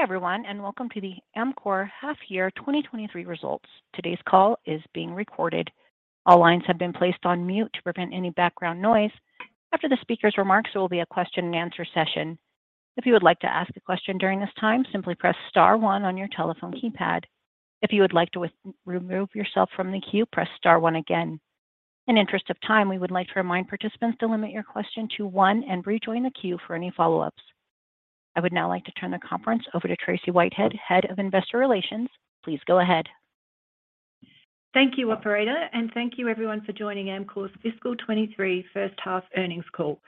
Hey everyone, welcome to the Amcor half year 2023 results. Today's call is being recorded. All lines have been placed on mute to prevent any background noise. After the speaker's remarks, there will be a question-and-answer session. If you would like to ask a question during this time, simply press star one on your telephone keypad. If you would like to remove yourself from the queue, press star one again. In interest of time, we would like to remind participants to limit your question to one and rejoin the queue for any follow-ups. I would now like to turn the conference over to Tracey Whitehead, Head of Investor Relations. Please go ahead. Thank you, operator, and thank you everyone for joining Amcor's fiscal 2023 first half earnings call.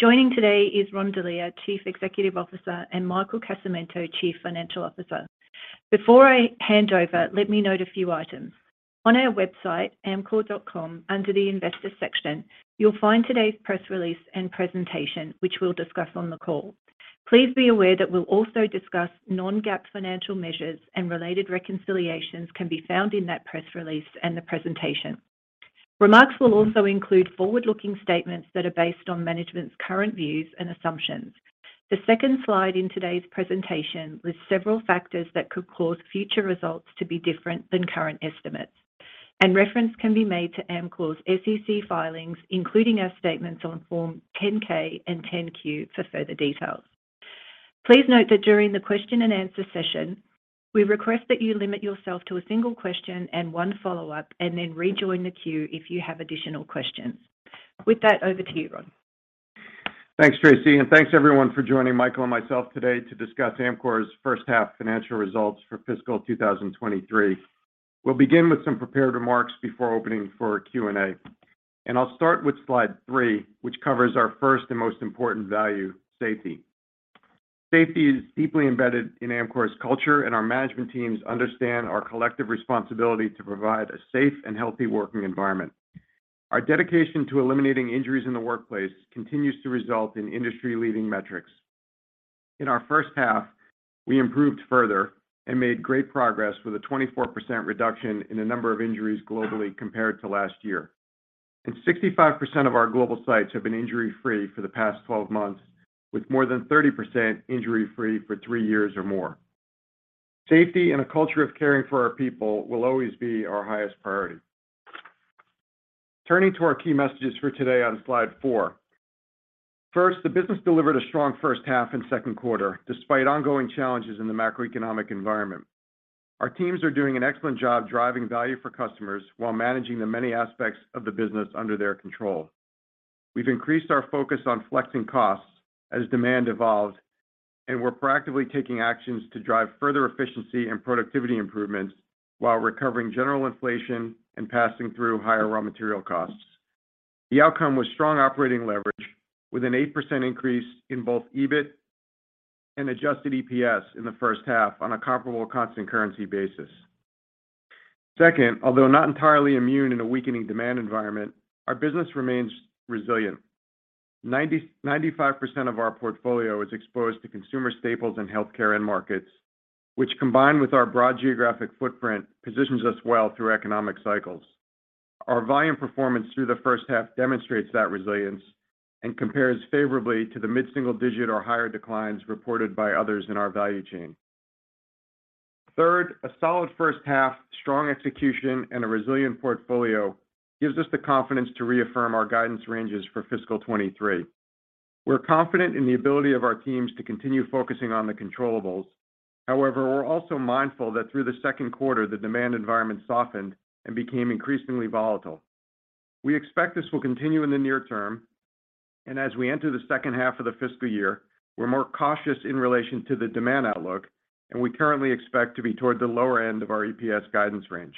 Joining today is Ron Delia, Chief Executive Officer, and Michael Casamento, Chief Financial Officer. Before I hand over, let me note a few items. On our website, amcor.com, under the investor section, you'll find today's press release and presentation, which we'll discuss on the call. Please be aware that we'll also discuss non-GAAP financial measures and related reconciliations can be found in that press release and the presentation. Remarks will also include forward-looking statements that are based on management's current views and assumptions. The second slide in today's presentation lists several factors that could cause future results to be different than current estimates, and reference can be made to Amcor's SEC filings, including our statements on form 10-K and 10-Q for further details. Please note that during the question-and-answer session, we request that you limit yourself to a single question and one follow-up, and then rejoin the queue if you have additional questions. With that, over to you, Ron. Thanks, Tracey, and thanks everyone for joining Michael and myself today to discuss Amcor's first half financial results for fiscal 2023. We'll begin with some prepared remarks before opening for Q&A. I'll start with slide three, which covers our first and most important value, safety. Safety is deeply embedded in Amcor's culture, and our management teams understand our collective responsibility to provide a safe and healthy working environment. Our dedication to eliminating injuries in the workplace continues to result in industry-leading metrics. In our first half, we improved further and made great progress with a 24% reduction in the number of injuries globally compared to last year. 65% of our global sites have been injury-free for the past 12 months, with more than 30% injury-free for three years or more. Safety and a culture of caring for our people will always be our highest priority. Turning to our key messages for today on slide four. First, the business delivered a strong first half and second quarter, despite ongoing challenges in the macroeconomic environment. Our teams are doing an excellent job driving value for customers while managing the many aspects of the business under their control. We've increased our focus on flexing costs as demand evolves, we're proactively taking actions to drive further efficiency and productivity improvements while recovering general inflation and passing through higher raw material costs. The outcome was strong operating leverage with an 8% increase in both EBIT and adjusted EPS in the first half on a comparable constant currency basis. Second, although not entirely immune in a weakening demand environment, our business remains resilient. 95% of our portfolio is exposed to consumer staples and healthcare end markets, which combined with our broad geographic footprint, positions us well through economic cycles. Our volume performance through the first half demonstrates that resilience and compares favorably to the mid-single digit or higher declines reported by others in our value chain. Third, a solid first half, strong execution, and a resilient portfolio gives us the confidence to reaffirm our guidance ranges for fiscal 2023. We're confident in the ability of our teams to continue focusing on the controllables. However, we're also mindful that through the second quarter, the demand environment softened and became increasingly volatile. We expect this will continue in the near term. As we enter the second half of the fiscal year, we're more cautious in relation to the demand outlook. We currently expect to be toward the lower end of our EPS guidance range.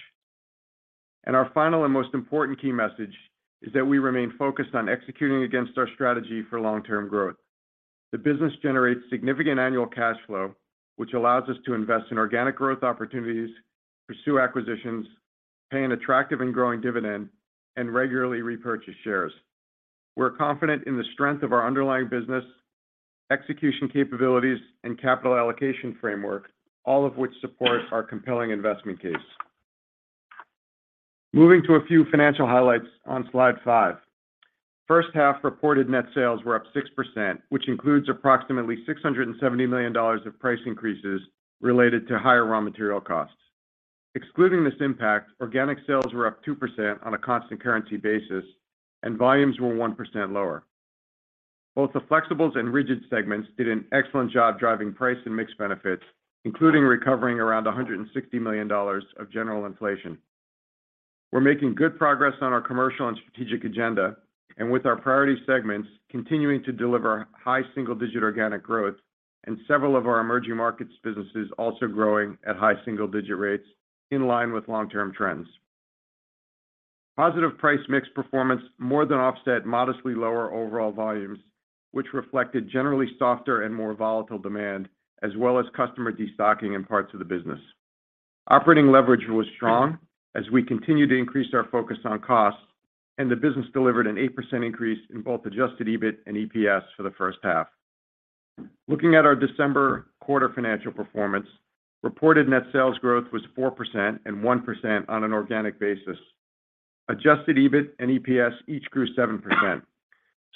Our final and most important key message is that we remain focused on executing against our strategy for long-term growth. The business generates significant annual cash flow, which allows us to invest in organic growth opportunities, pursue acquisitions, pay an attractive and growing dividend, and regularly repurchase shares. We're confident in the strength of our underlying business, execution capabilities, and capital allocation framework, all of which support our compelling investment case. Moving to a few financial highlights on slide five. First half reported net sales were up 6%, which includes approximately $670 million of price increases related to higher raw material costs. Excluding this impact, organic sales were up 2% on a constant currency basis, and volumes were 1% lower. Both the Flexibles and Rigid segments did an excellent job driving price and mix benefits, including recovering around $160 million of general inflation. We're making good progress on our commercial and strategic agenda, and with our priority segments continuing to deliver high single-digit organic growth and several of our emerging markets businesses also growing at high single-digit rates in line with long-term trends. Positive price mix performance more than offset modestly lower overall volumes, which reflected generally softer and more volatile demand, as well as customer destocking in parts of the business. Operating leverage was strong as we continued to increase our focus on costs, and the business delivered an 8% increase in both adjusted EBIT and EPS for the first half. Looking at our December quarter financial performance, reported net sales growth was 4% and 1% on an organic basis. Adjusted EBIT and EPS each grew 7%.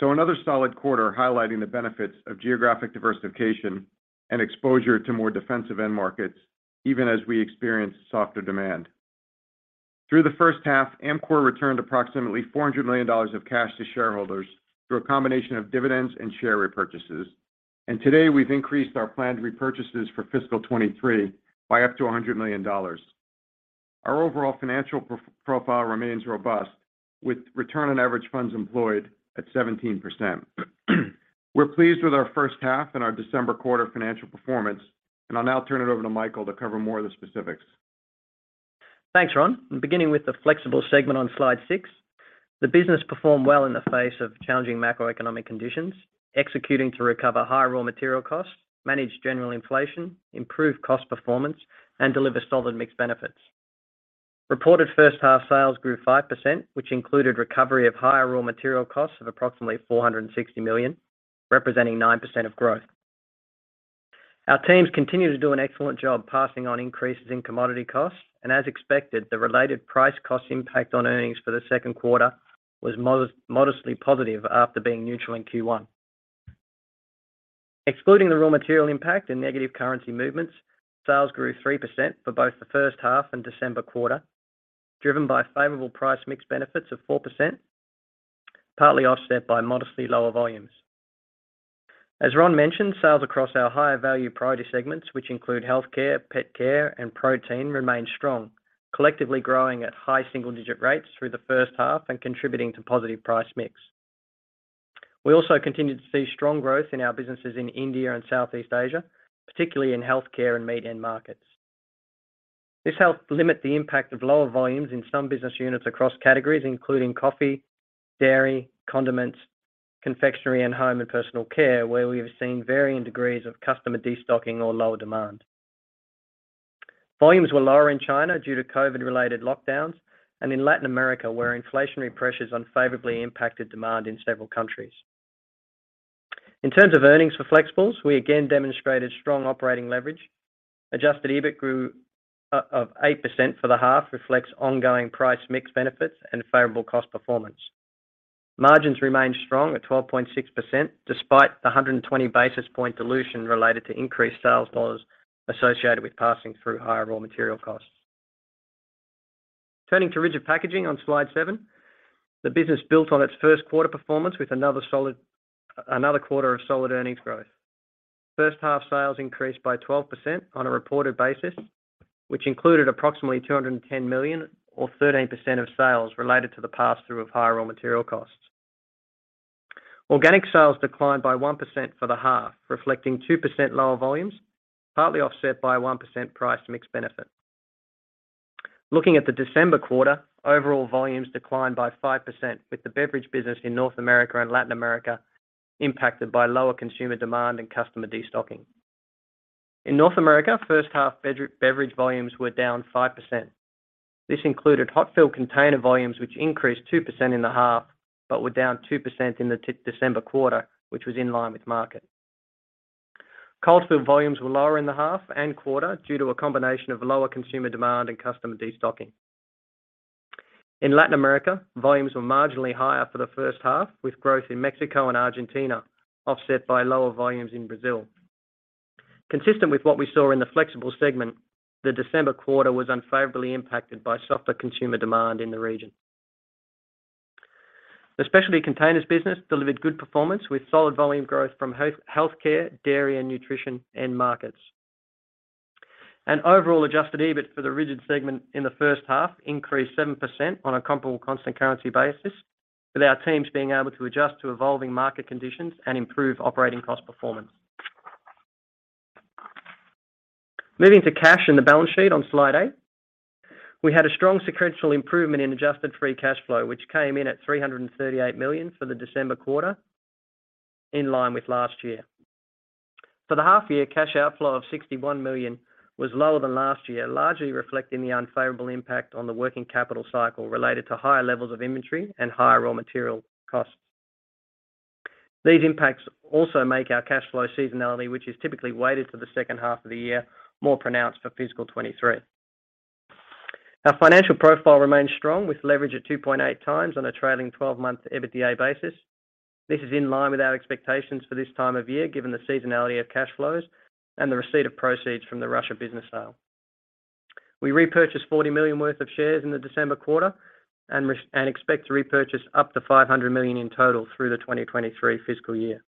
Another solid quarter highlighting the benefits of geographic diversification and exposure to more defensive end markets, even as we experience softer demand. Through the first half, Amcor returned approximately $400 million of cash to shareholders through a combination of dividends and share repurchases. Today, we've increased our planned repurchases for fiscal 2023 by up to $100 million. Our overall financial pro-profile remains robust with return on average funds employed at 17%. We're pleased with our first half and our December quarter financial performance, I'll now turn it over to Michael to cover more of the specifics. Thanks, Ron. Beginning with the Flexibles segment on slide six, the business performed well in the face of challenging macroeconomic conditions, executing to recover higher raw material costs, manage general inflation, improve cost performance, and deliver solid mix benefits. Reported first half sales grew 5%, which included recovery of higher raw material costs of approximately $460 million, representing 9% of growth. Our teams continue to do an excellent job passing on increases in commodity costs. As expected, the related price cost impact on earnings for the second quarter was modestly positive after being neutral in Q1. Excluding the raw material impact and negative currency movements, sales grew 3% for both the first half and December quarter, driven by favorable price mix benefits of 4%, partly offset by modestly lower volumes. As Ron mentioned, sales across our higher value priority segments, which include healthcare, pet care, and protein, remained strong, collectively growing at high single-digit rates through the first half and contributing to positive price mix. We also continued to see strong growth in our businesses in India and Southeast Asia, particularly in healthcare and meat end markets. This helped limit the impact of lower volumes in some business units across categories, including coffee, dairy, condiments, confectionery, and home and personal care, where we have seen varying degrees of customer destocking or lower demand. Volumes were lower in China due to COVID-related lockdowns and in Latin America, where inflationary pressures unfavorably impacted demand in several countries. In terms of earnings for Flexibles, we again demonstrated strong operating leverage. Adjusted EBIT grew of 8% for the half, reflects ongoing price mix benefits and favorable cost performance. Margins remained strong at 12.6% despite the 120 basis point dilution related to increased sales dollars associated with passing through higher raw material costs. Turning to Rigid Packaging on slide seven, the business built on its first quarter performance with another quarter of solid earnings growth. First half sales increased by 12% on a reported basis, which included approximately $210 million or 13% of sales related to the pass-through of higher raw material costs. Organic sales declined by 1% for the half, reflecting 2% lower volumes, partly offset by a 1% price mix benefit. Looking at the December quarter, overall volumes declined by 5% with the beverage business in North America and Latin America impacted by lower consumer demand and customer destocking. In North America, first half beverage volumes were down 5%. This included hot fill container volumes, which increased 2% in the half but were down 2% in the December quarter, which was in line with market. Cold fill volumes were lower in the half and quarter due to a combination of lower consumer demand and customer destocking. In Latin America, volumes were marginally higher for the first half, with growth in Mexico and Argentina offset by lower volumes in Brazil. Consistent with what we saw in the Flexibles segment, the December quarter was unfavorably impacted by softer consumer demand in the region. The Specialty Containers business delivered good performance with solid volume growth from healthcare, dairy, and nutrition end markets. Overall adjusted EBIT for the Rigid Packaging segment in the first half increased 7% on a comparable constant currency basis, with our teams being able to adjust to evolving market conditions and improve operating cost performance. Moving to cash and the balance sheet on slide eight. We had a strong sequential improvement in adjusted free cash flow, which came in at $338 million for the December quarter, in line with last year. For the half year, cash outflow of $61 million was lower than last year, largely reflecting the unfavorable impact on the working capital cycle related to higher levels of inventory and higher raw material costs. These impacts also make our cash flow seasonality, which is typically weighted to the second half of the year, more pronounced for fiscal 2023. Our financial profile remains strong, with leverage at 2.8x on a trailing 12-month EBITDA basis. This is in line with our expectations for this time of year, given the seasonality of cash flows and the receipt of proceeds from the Russia business sale. We repurchased $40 million worth of shares in the December quarter and expect to repurchase up to $500 million in total through the 2023 fiscal year.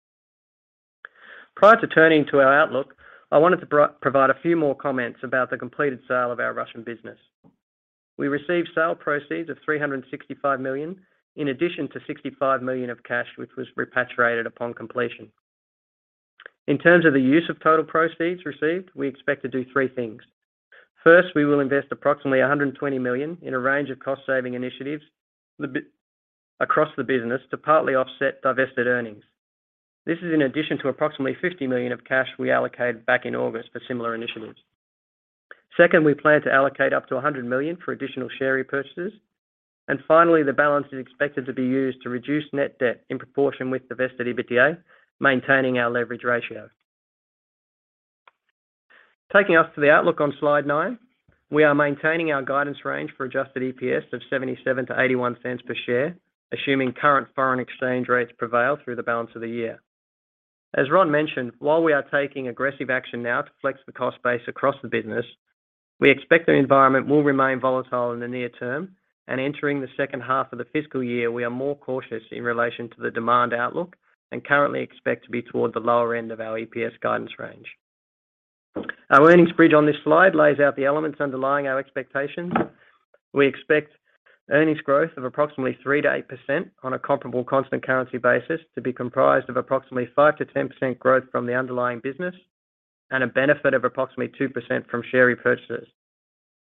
Prior to turning to our outlook, I wanted to provide a few more comments about the completed sale of our Russian business. We received sale proceeds of $365 million, in addition to $65 million of cash, which was repatriated upon completion. In terms of the use of total proceeds received, we expect to do three things. First, we will invest approximately $120 million in a range of cost saving initiatives across the business to partly offset divested earnings. This is in addition to approximately $50 million of cash we allocated back in August for similar initiatives. Second, we plan to allocate up to $100 million for additional share repurchases. Finally, the balance is expected to be used to reduce net debt in proportion with divested EBITDA, maintaining our leverage ratio. Taking us to the outlook on slide nine, we are maintaining our guidance range for adjusted EPS of $0.77-$0.81 per share, assuming current foreign exchange rates prevail through the balance of the year. As Ron mentioned, while we are taking aggressive action now to flex the cost base across the business, we expect the environment will remain volatile in the near term. Entering the second half of the fiscal year, we are more cautious in relation to the demand outlook and currently expect to be toward the lower end of our EPS guidance range. Our earnings bridge on this slide lays out the elements underlying our expectations. We expect earnings growth of approximately 3%-8% on a comparable constant currency basis to be comprised of approximately 5%-10% growth from the underlying business and a benefit of approximately 2% from share repurchases.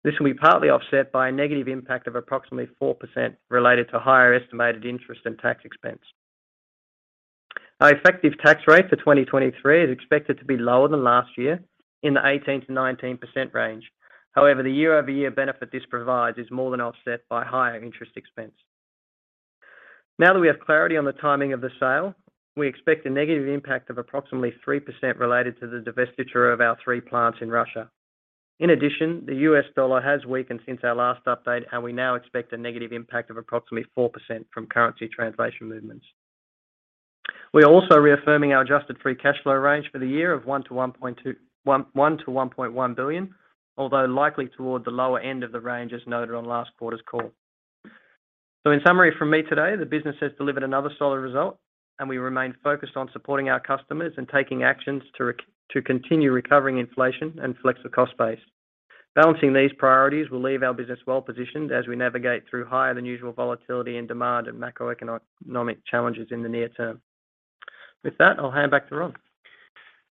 This will be partly offset by a negative impact of approximately 4% related to higher estimated interest and tax expense. Our effective tax rate for 2023 is expected to be lower than last year in the 18%-19% range. However, the year-over-year benefit this provides is more than offset by higher interest expense. Now that we have clarity on the timing of the sale, we expect a negative impact of approximately 3% related to the divestiture of our three plants in Russia. In addition, the U.S. dollar has weakened since our last update, and we now expect a negative impact of approximately 4% from currency translation movements. We are also reaffirming our adjusted free cash flow range for the year of $1 billion-$1.1 billion, although likely toward the lower end of the range as noted on last quarter's call. In summary from me today, the business has delivered another solid result, and we remain focused on supporting our customers and taking actions to continue recovering inflation and flex the cost base. Balancing these priorities will leave our business well-positioned as we navigate through higher than usual volatility and demand and macroeconomic challenges in the near term. With that, I'll hand back to Ron.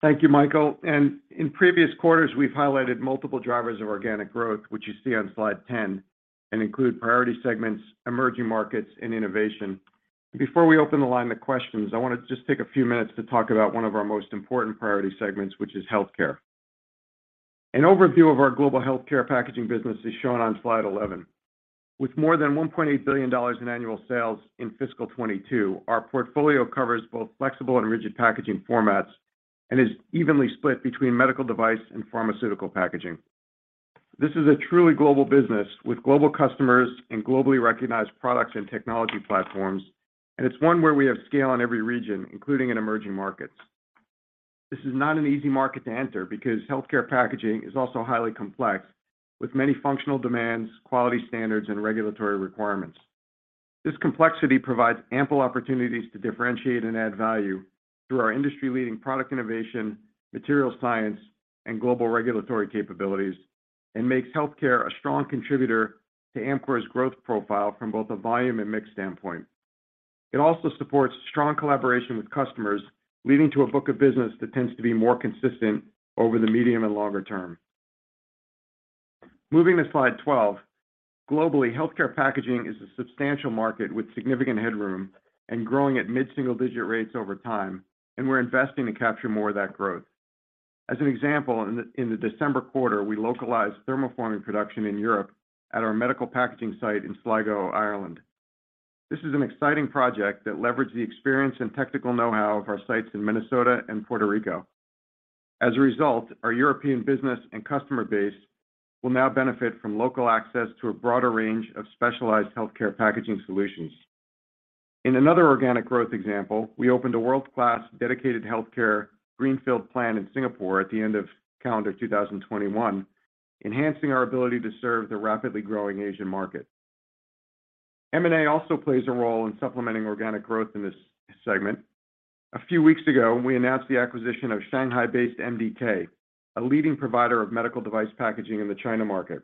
Thank you, Michael. In previous quarters, we've highlighted multiple drivers of organic growth, which you see on slide 10, and include priority segments, emerging markets, and innovation. Before we open the line of questions, I want to just take a few minutes to talk about one of our most important priority segments, which is healthcare. An overview of our global healthcare packaging business is shown on slide 11. With more than $1.8 billion in annual sales in fiscal 2022, our portfolio covers both flexible and rigid packaging formats and is evenly split between medical device and pharmaceutical packaging. This is a truly global business with global customers and globally recognized products and technology platforms, and it's one where we have scale in every region, including in emerging markets. This is not an easy market to enter because healthcare packaging is also highly complex, with many functional demands, quality standards, and regulatory requirements. This complexity provides ample opportunities to differentiate and add value through our industry-leading product innovation, material science, and global regulatory capabilities, and makes healthcare a strong contributor to Amcor's growth profile from both a volume and mix standpoint. It also supports strong collaboration with customers, leading to a book of business that tends to be more consistent over the medium and longer term. Moving to slide 12. Globally, healthcare packaging is a substantial market with significant headroom and growing at mid-single digit rates over time, and we're investing to capture more of that growth. As an example, in the December quarter, we localized thermoforming production in Europe at our medical packaging site in Sligo, Ireland. This is an exciting project that leveraged the experience and technical know-how of our sites in Minnesota and Puerto Rico. As a result, our European business and customer base will now benefit from local access to a broader range of specialized healthcare packaging solutions. In another organic growth example, we opened a world-class dedicated healthcare greenfield plant in Singapore at the end of calendar 2021, enhancing our ability to serve the rapidly growing Asian market. M&A also plays a role in supplementing organic growth in this segment. A few weeks ago, we announced the acquisition of Shanghai-based MDK, a leading provider of medical device packaging in the China market.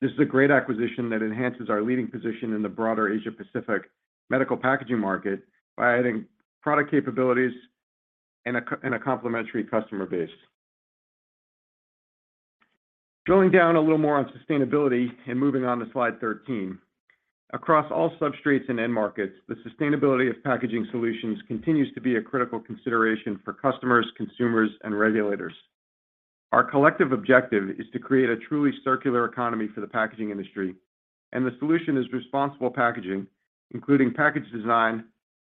This is a great acquisition that enhances our leading position in the broader Asia-Pacific medical packaging market by adding product capabilities and a complementary customer base. Drilling down a little more on sustainability and moving on to slide 13. Across all substrates and end markets, the sustainability of packaging solutions continues to be a critical consideration for customers, consumers, and regulators. Our collective objective is to create a truly circular economy for the packaging industry, and the solution is responsible packaging, including package design,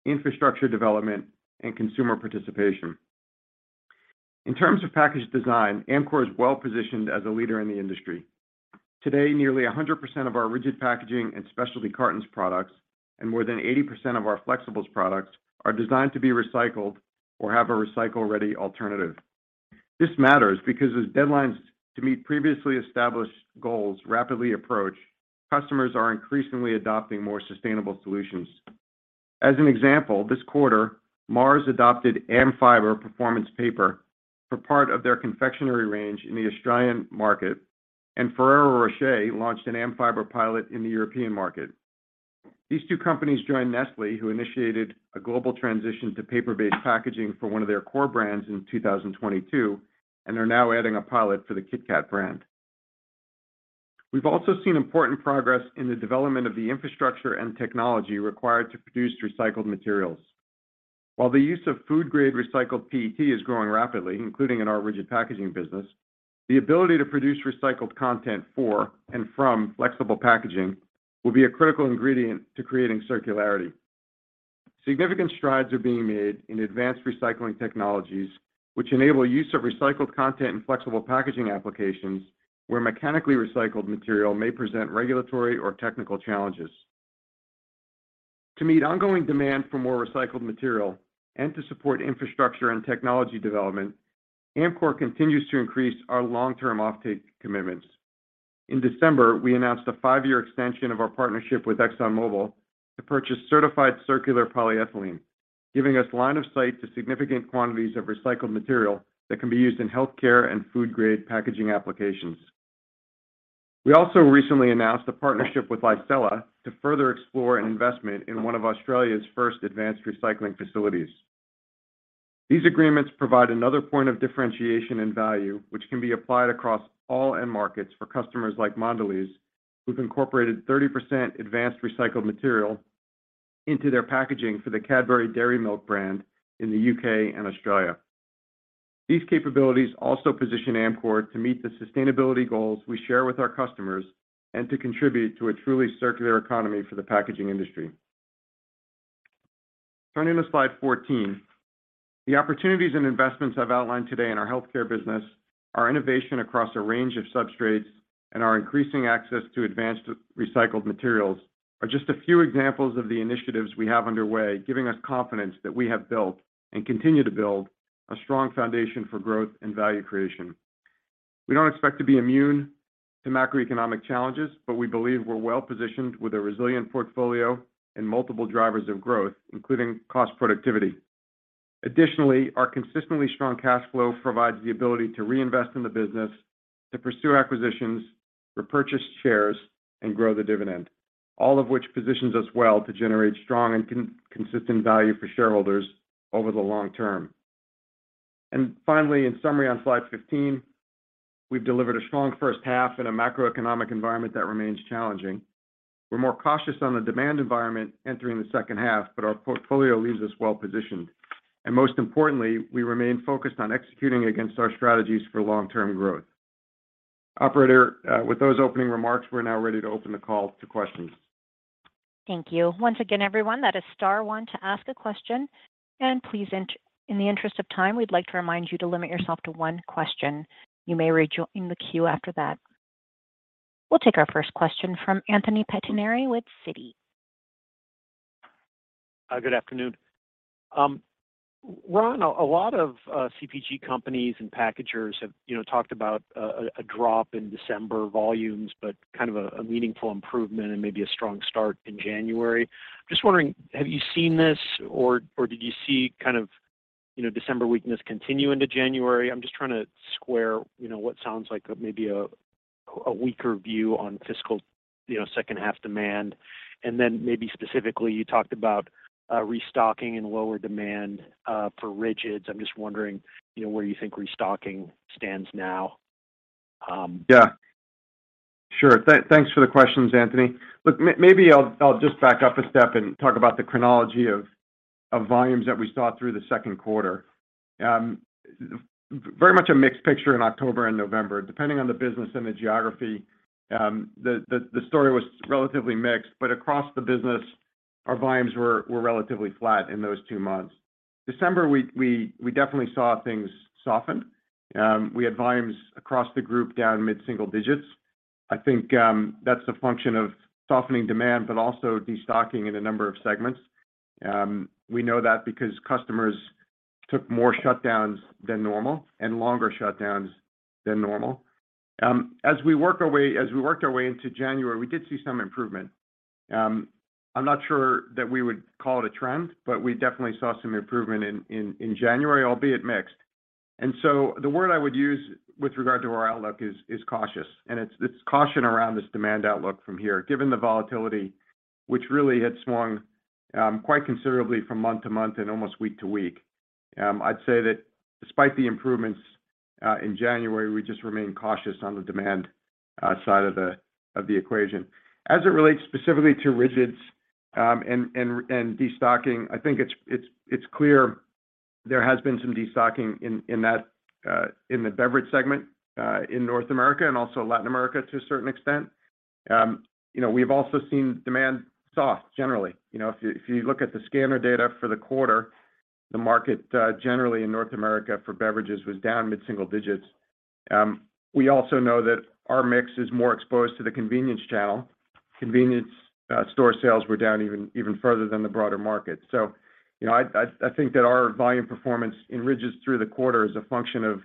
infrastructure development, and consumer participation. In terms of package design, Amcor is well-positioned as a leader in the industry. Today, nearly 100% of our Rigid Packaging and specialty cartons products and more than 80% of our Flexibles products are designed to be recycled or have a recycle-ready alternative. This matters because as deadlines to meet previously established goals rapidly approach, customers are increasingly adopting more sustainable solutions. As an example, this quarter, Mars adopted AmFiber performance paper for part of their confectionery range in the Australian market, and Ferrero Rocher launched an AmFiber pilot in the European market. These two companies joined Nestlé, who initiated a global transition to paper-based packaging for one of their core brands in 2022 and are now adding a pilot for the KitKat brand. We've also seen important progress in the development of the infrastructure and technology required to produce recycled materials. While the use of food-grade recycled PET is growing rapidly, including in our Rigid Packaging business, the ability to produce recycled content for and from flexible packaging will be a critical ingredient to creating circularity. Significant strides are being made in advanced recycling technologies, which enable use of recycled content and flexible packaging applications where mechanically recycled material may present regulatory or technical challenges. To meet ongoing demand for more recycled material and to support infrastructure and technology development, Amcor continues to increase our long-term offtake commitments. In December, we announced a five-year extension of our partnership with ExxonMobil to purchase certified circular polyethylene, giving us line of sight to significant quantities of recycled material that can be used in healthcare and food grade packaging applications. We also recently announced a partnership with Licella to further explore an investment in one of Australia's first advanced recycling facilities. These agreements provide another point of differentiation and value, which can be applied across all end markets for customers like Mondelēz, who've incorporated 30% advanced recycled material into their packaging for the Cadbury Dairy Milk brand in the U.K. and Australia. These capabilities also position Amcor to meet the sustainability goals we share with our customers and to contribute to a truly circular economy for the packaging industry. Turning to slide 14, the opportunities and investments I've outlined today in our healthcare business, our innovation across a range of substrates, and our increasing access to advanced recycled materials are just a few examples of the initiatives we have underway, giving us confidence that we have built and continue to build a strong foundation for growth and value creation. We don't expect to be immune to macroeconomic challenges, but we believe we're well-positioned with a resilient portfolio and multiple drivers of growth, including cost productivity. Additionally, our consistently strong cash flow provides the ability to reinvest in the business, to pursue acquisitions, repurchase shares, and grow the dividend, all of which positions us well to generate strong and consistent value for shareholders over the long term. Finally, in summary on slide 15, we've delivered a strong first half in a macroeconomic environment that remains challenging. We're more cautious on the demand environment entering the second half, but our portfolio leaves us well-positioned. Most importantly, we remain focused on executing against our strategies for long-term growth. Operator, with those opening remarks, we're now ready to open the call to questions. Thank you. Once again, everyone, that is star one to ask a question. Please, in the interest of time, we'd like to remind you to limit yourself to one question. You may rejoin the queue after that. We'll take our first question from Anthony Pettinari with Citi. Good afternoon. Ron, a lot of CPG companies and packagers have, you know, talked about a drop in December volumes, but kind of a meaningful improvement and maybe a strong start in January. Just wondering, have you seen this, or did you see kind of, you know, December weakness continue into January? I'm just trying to square, you know, what sounds like maybe a weaker view on fiscal, you know, second half demand. Maybe specifically, you talked about restocking and lower demand for Rigids. I'm just wondering, you know, where you think restocking stands now. Yeah. Sure. Thanks for the questions, Anthony. Maybe I'll just back up a step and talk about the chronology of volumes that we saw through the second quarter. Very much a mixed picture in October and November. Depending on the business and the geography, the story was relatively mixed. Across the business, our volumes were relatively flat in those two months. December, we definitely saw things soften. We had volumes across the group down mid-single digits. I think that's the function of softening demand, but also destocking in a number of segments. We know that because customers took more shutdowns than normal and longer shutdowns than normal. As we worked our way into January, we did see some improvement. I'm not sure that we would call it a trend, but we definitely saw some improvement in January, albeit mixed. The word I would use with regard to our outlook is cautious, and it's caution around this demand outlook from here, given the volatility which really had swung quite considerably from month to month and almost week to week. I'd say that despite the improvements in January, we just remain cautious on the demand side of the equation. As it relates specifically to rigids and destocking, I think it's clear there has been some destocking in that in the beverage segment in North America and also Latin America to a certain extent. You know, we've also seen demand soft generally. You know, if you look at the scanner data for the quarter, the market generally in North America for beverages was down mid-single digits. We also know that our mix is more exposed to the convenience channel. Convenience store sales were down even further than the broader market. You know, I think that our volume performance in rigids through the quarter is a function of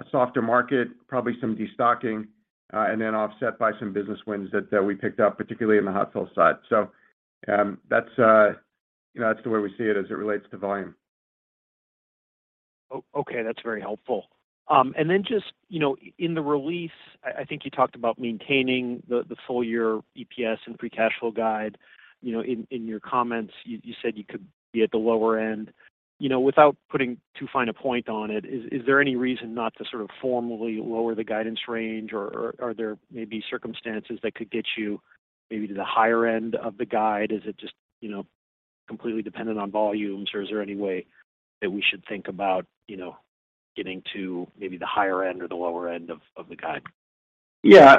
a softer market, probably some destocking, and then offset by some business wins that we picked up, particularly in the hot fill side. That's, you know, that's the way we see it as it relates to volume. Okay, that's very helpful. Then just, you know, in the release, I think you talked about maintaining the full year EPS and free cash flow guide. You know, in your comments, you said you could be at the lower end. You know, without putting too fine a point on it, is there any reason not to sort of formally lower the guidance range, or are there maybe circumstances that could get you maybe to the higher end of the guide? Is it just, you know, completely dependent on volumes, or is there any way that we should think about, you know, getting to maybe the higher end or the lower end of the guide? Yeah.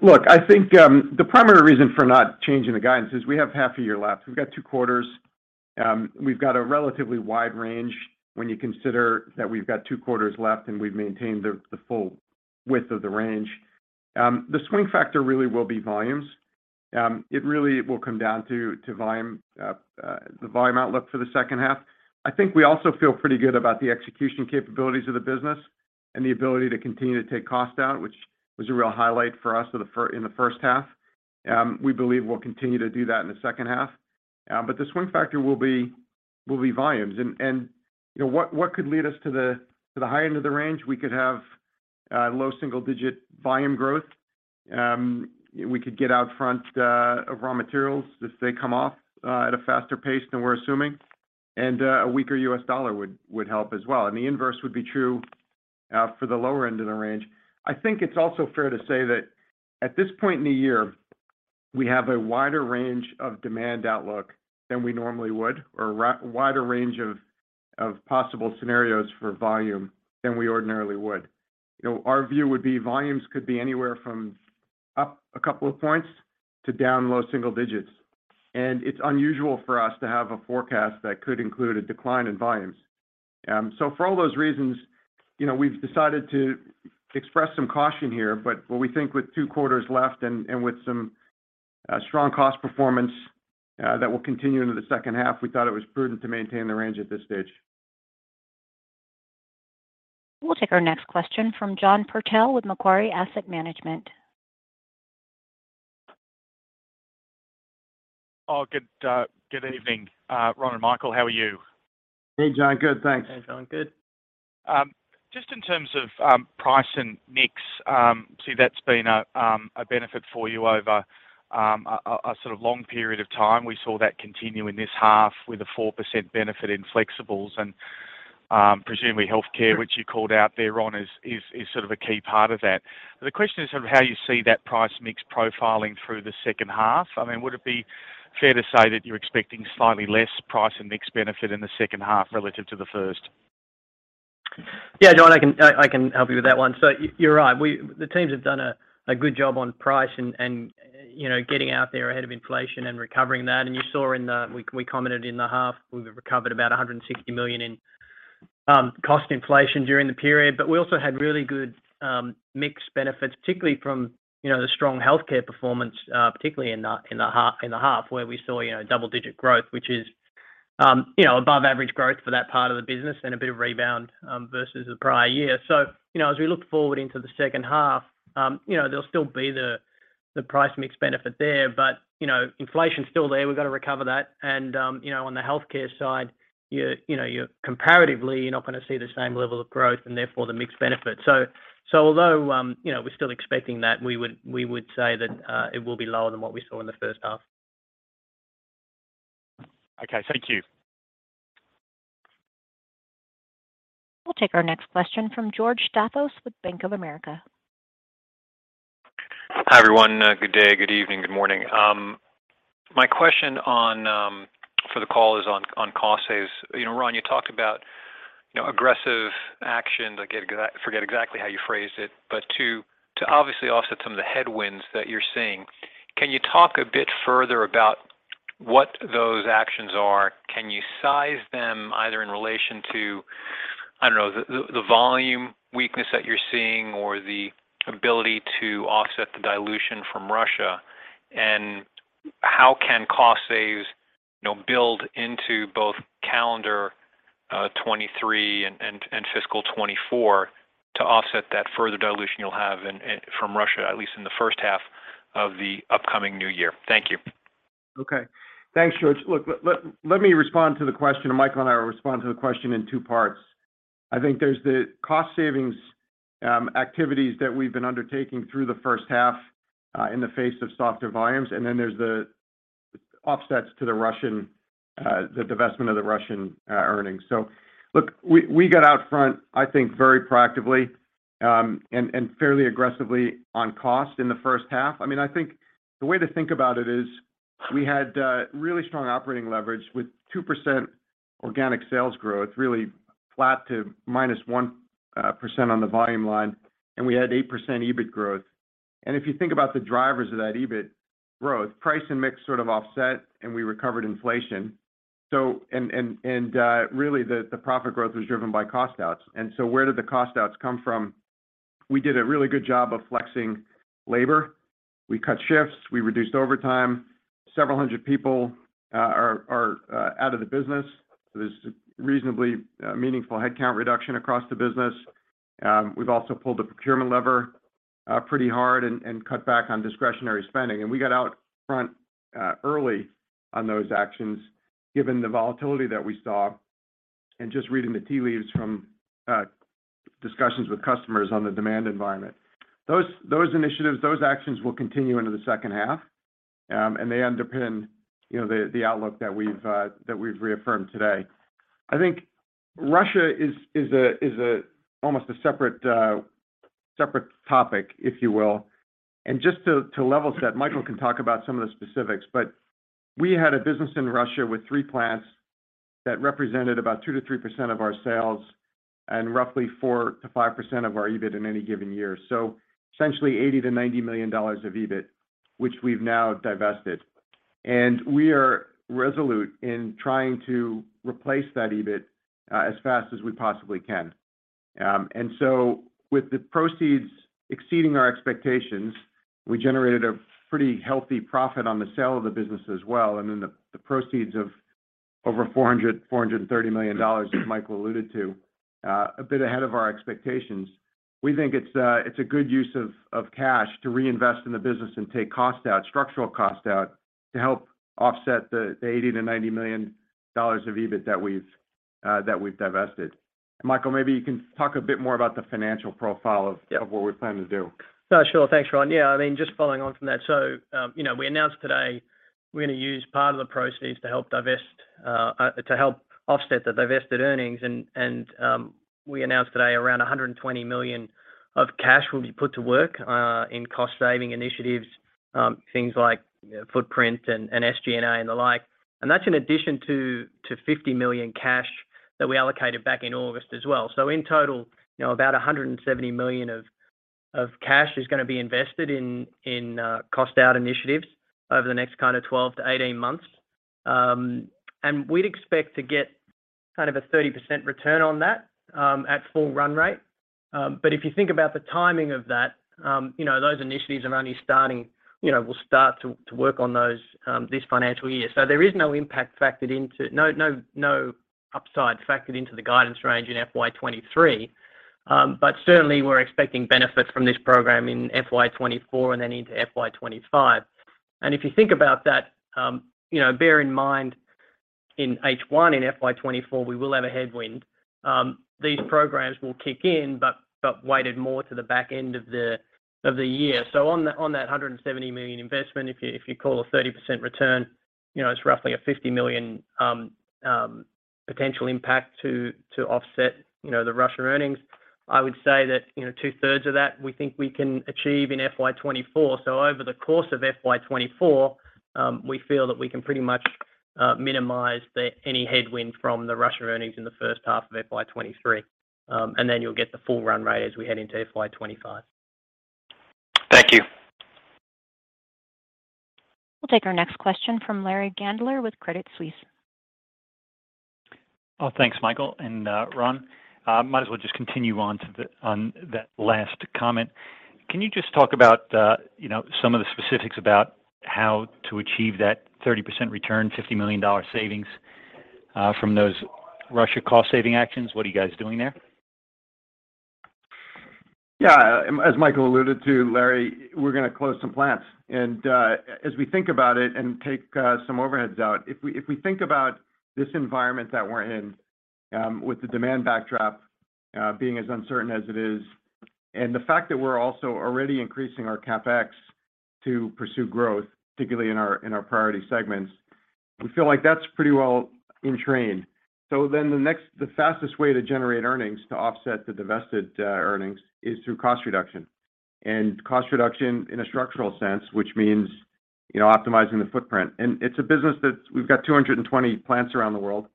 Look, I think, the primary reason for not changing the guidance is we have half a year left. We've got two quarters. We've got a relatively wide range when you consider that we've got two quarters left, and we've maintained the full width of the range. The swing factor really will be volumes. It really will come down to volume, the volume outlook for the second half. I think we also feel pretty good about the execution capabilities of the business and the ability to continue to take cost out, which was a real highlight for us in the first half. We believe we'll continue to do that in the second half. The swing factor will be volumes. You know, what could lead us to the high end of the range, we could have low single-digit volume growth. We could get out front of raw materials if they come off at a faster pace than we're assuming. A weaker U.S. Dollar would help as well. The inverse would be true for the lower end of the range. I think it's also fair to say that at this point in the year, we have a wider range of demand outlook than we normally would, or a wider range of possible scenarios for volume than we ordinarily would. You know, our view would be volumes could be anywhere from up a couple of points to down low single-digits. It's unusual for us to have a forecast that could include a decline in volumes. For all those reasons, you know, we've decided to express some caution here. What we think with two quarters left and with some strong cost performance, that will continue into the second half, we thought it was prudent to maintain the range at this stage. We'll take our next question from John Purtell with Macquarie Asset Management. Oh, good evening, Ron and Michael. How are you? Hey, John. Good, thanks. Hey, John. Good. Just in terms of price and mix, see that's been a benefit for you over a sort of long period of time. We saw that continue in this half with a 4% benefit in Flexibles and presumably healthcare, which you called out there, Ron, is sort of a key part of that. The question is sort of how you see that price mix profiling through the second half. I mean, would it be fair to say that you're expecting slightly less price and mix benefit in the second half relative to the first? Yeah, John, I can help you with that one. You're right. The teams have done a good job on price and, you know, getting out there ahead of inflation and recovering that. You saw, we commented in the half, we've recovered about $160 million in cost inflation during the period. We also had really good mix benefits, particularly from, you know, the strong healthcare performance, particularly in the half where we saw, you know, double-digit growth, which is, you know, above average growth for that part of the business and a bit of rebound versus the prior year. You know, as we look forward into the second half, you know, there'll still be the price mix benefit there. You know, inflation's still there. We've got to recover that. You know, on the healthcare side, you're, you know, you're comparatively, you're not gonna see the same level of growth and therefore the mix benefit. Although, you know, we're still expecting that, we would say that it will be lower than what we saw in the first half. Okay. Thank you. We'll take our next question from George Staphos with Bank of America. Hi, everyone. Good day, good evening, good morning. My question on for the call is on cost saves. You know, Ron, you talked about, you know, aggressive action. I forget exactly how you phrased it, but to obviously offset some of the headwinds that you're seeing. Can you talk a bit further about what those actions are? Can you size them either in relation to, I don't know, the volume weakness that you're seeing or the ability to offset the dilution from Russia? How can cost saves, you know, build into both calendar 2023 and fiscal 2024 to offset that further dilution you'll have from Russia, at least in the first half of the upcoming new year? Thank you. Okay. Thanks, George. Look, let me respond to the question, and Michael and I will respond to the question in two parts. I think there's the cost savings activities that we've been undertaking through the first half in the face of softer volumes, and then there's the offsets to the Russian the divestment of the Russian earnings. Look, we got out front, I think, very proactively and fairly aggressively on cost in the first half. I mean, I think the way to think about it is we had really strong operating leverage with 2% organic sales growth, really flat to -1% on the volume line, and we had 8% EBIT growth. And if you think about the drivers of that EBIT growth, price and mix sort of offset, and we recovered inflation. Really the profit growth was driven by cost outs. Where did the cost outs come from? We did a really good job of flexing labor. We cut shifts, we reduced overtime. Several hundred people are out of the business. There's reasonably meaningful headcount reduction across the business. We've also pulled the procurement lever pretty hard and cut back on discretionary spending. We got out front early on those actions, given the volatility that we saw and just reading the tea leaves from discussions with customers on the demand environment. Those initiatives, those actions will continue into the second half, and they underpin, you know, the outlook that we've reaffirmed today. I think Russia is a almost a separate topic, if you will. Just to level set, Michael can talk about some of the specifics, but we had a business in Russia with three plants. That represented about 2%-3% of our sales and roughly 4%-5% of our EBIT in any given year. Essentially, $80 million-$90 million of EBIT, which we've now divested. We are resolute in trying to replace that EBIT as fast as we possibly can. With the proceeds exceeding our expectations, we generated a pretty healthy profit on the sale of the business as well. The proceeds of over $430 million that Michael alluded to, a bit ahead of our expectations. We think it's a good use of cash to reinvest in the business and take costs out, structural costs out to help offset the $80 million-$90 million of EBIT that we've divested. Michael, maybe you can talk a bit more about the financial profile of. Yeah. of what we plan to do. Sure. Thanks, Ron. Yeah, I mean, just following on from that. You know, we announced today we're gonna use part of the proceeds to help divest, to help offset the divested earnings. We announced today around $120 million of cash will be put to work in cost saving initiatives, things like, you know, footprint and SG&A and the like. That's in addition to $50 million cash that we allocated back in August as well. In total, you know, about $170 million of cash is gonna be invested in cost out initiatives over the next kind of 12-18 months. And we'd expect to get kind of a 30% return on that at full run rate. If you think about the timing of that, you know, those initiatives are only starting, you know, we'll start to work on those this financial year. There is no upside factored into the guidance range in FY 2023. Certainly we're expecting benefits from this program in FY 2024 and then into FY 2025. If you think about that, you know, bear in mind, in H1, in FY 2024, we will have a headwind. These programs will kick in, but weighted more to the back end of the year. On that $170 million investment, if you call a 30% return, you know, it's roughly a $50 million potential impact to offset, you know, the Russia earnings. I would say that, you know, two-thirds of that we think we can achieve in FY 2024. Over the course of FY 2024, we feel that we can pretty much minimize any headwind from the Russia earnings in the first half of FY 2023. Then you'll get the full run rate as we head into FY 2025. Thank you. We'll take our next question from Larry Gandler with Credit Suisse. Thanks, Michael and Ron. Might as well just continue on that last comment. Can you just talk about, you know, some of the specifics about how to achieve that 30% return, $50 million savings, from those Russia cost saving actions? What are you guys doing there? Yeah. As Michael alluded to, Larry, we're gonna close some plants. As we think about it and take some overheads out, if we, if we think about this environment that we're in, with the demand backdrop being as uncertain as it is, and the fact that we're also already increasing our CapEx to pursue growth, particularly in our, in our priority segments, we feel like that's pretty well entrained. The fastest way to generate earnings to offset the divested earnings is through cost reduction. Cost reduction in a structural sense, which means, you know, optimizing the footprint. It's a business that's we've got 220 plants around the world.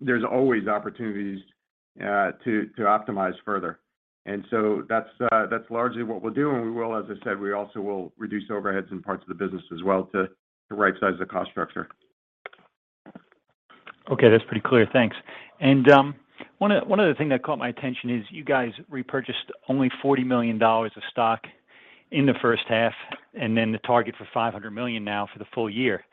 There's always opportunities to optimize further. That's largely what we'll do. We will, as I said, we also will reduce overheads in parts of the business as well to rightsize the cost structure. Okay. That's pretty clear. Thanks. One of the thing that caught my attention is you guys repurchased only $40 million of stock in the first half, and then the target for $500 million now for the full year.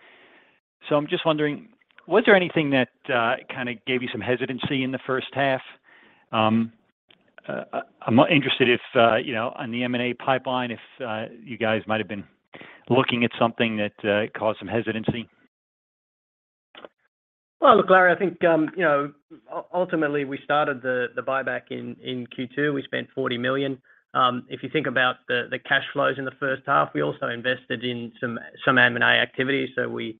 I'm just wondering, was there anything that kinda gave you some hesitancy in the first half? I'm interested if, you know, on the M&A pipeline, if you guys might have been looking at something that caused some hesitancy. Well, look, Larry, I think, you know, ultimately, we started the buyback in Q2. We spent $40 million. If you think about the cash flows in the first half, we also invested in some M&A activities. We,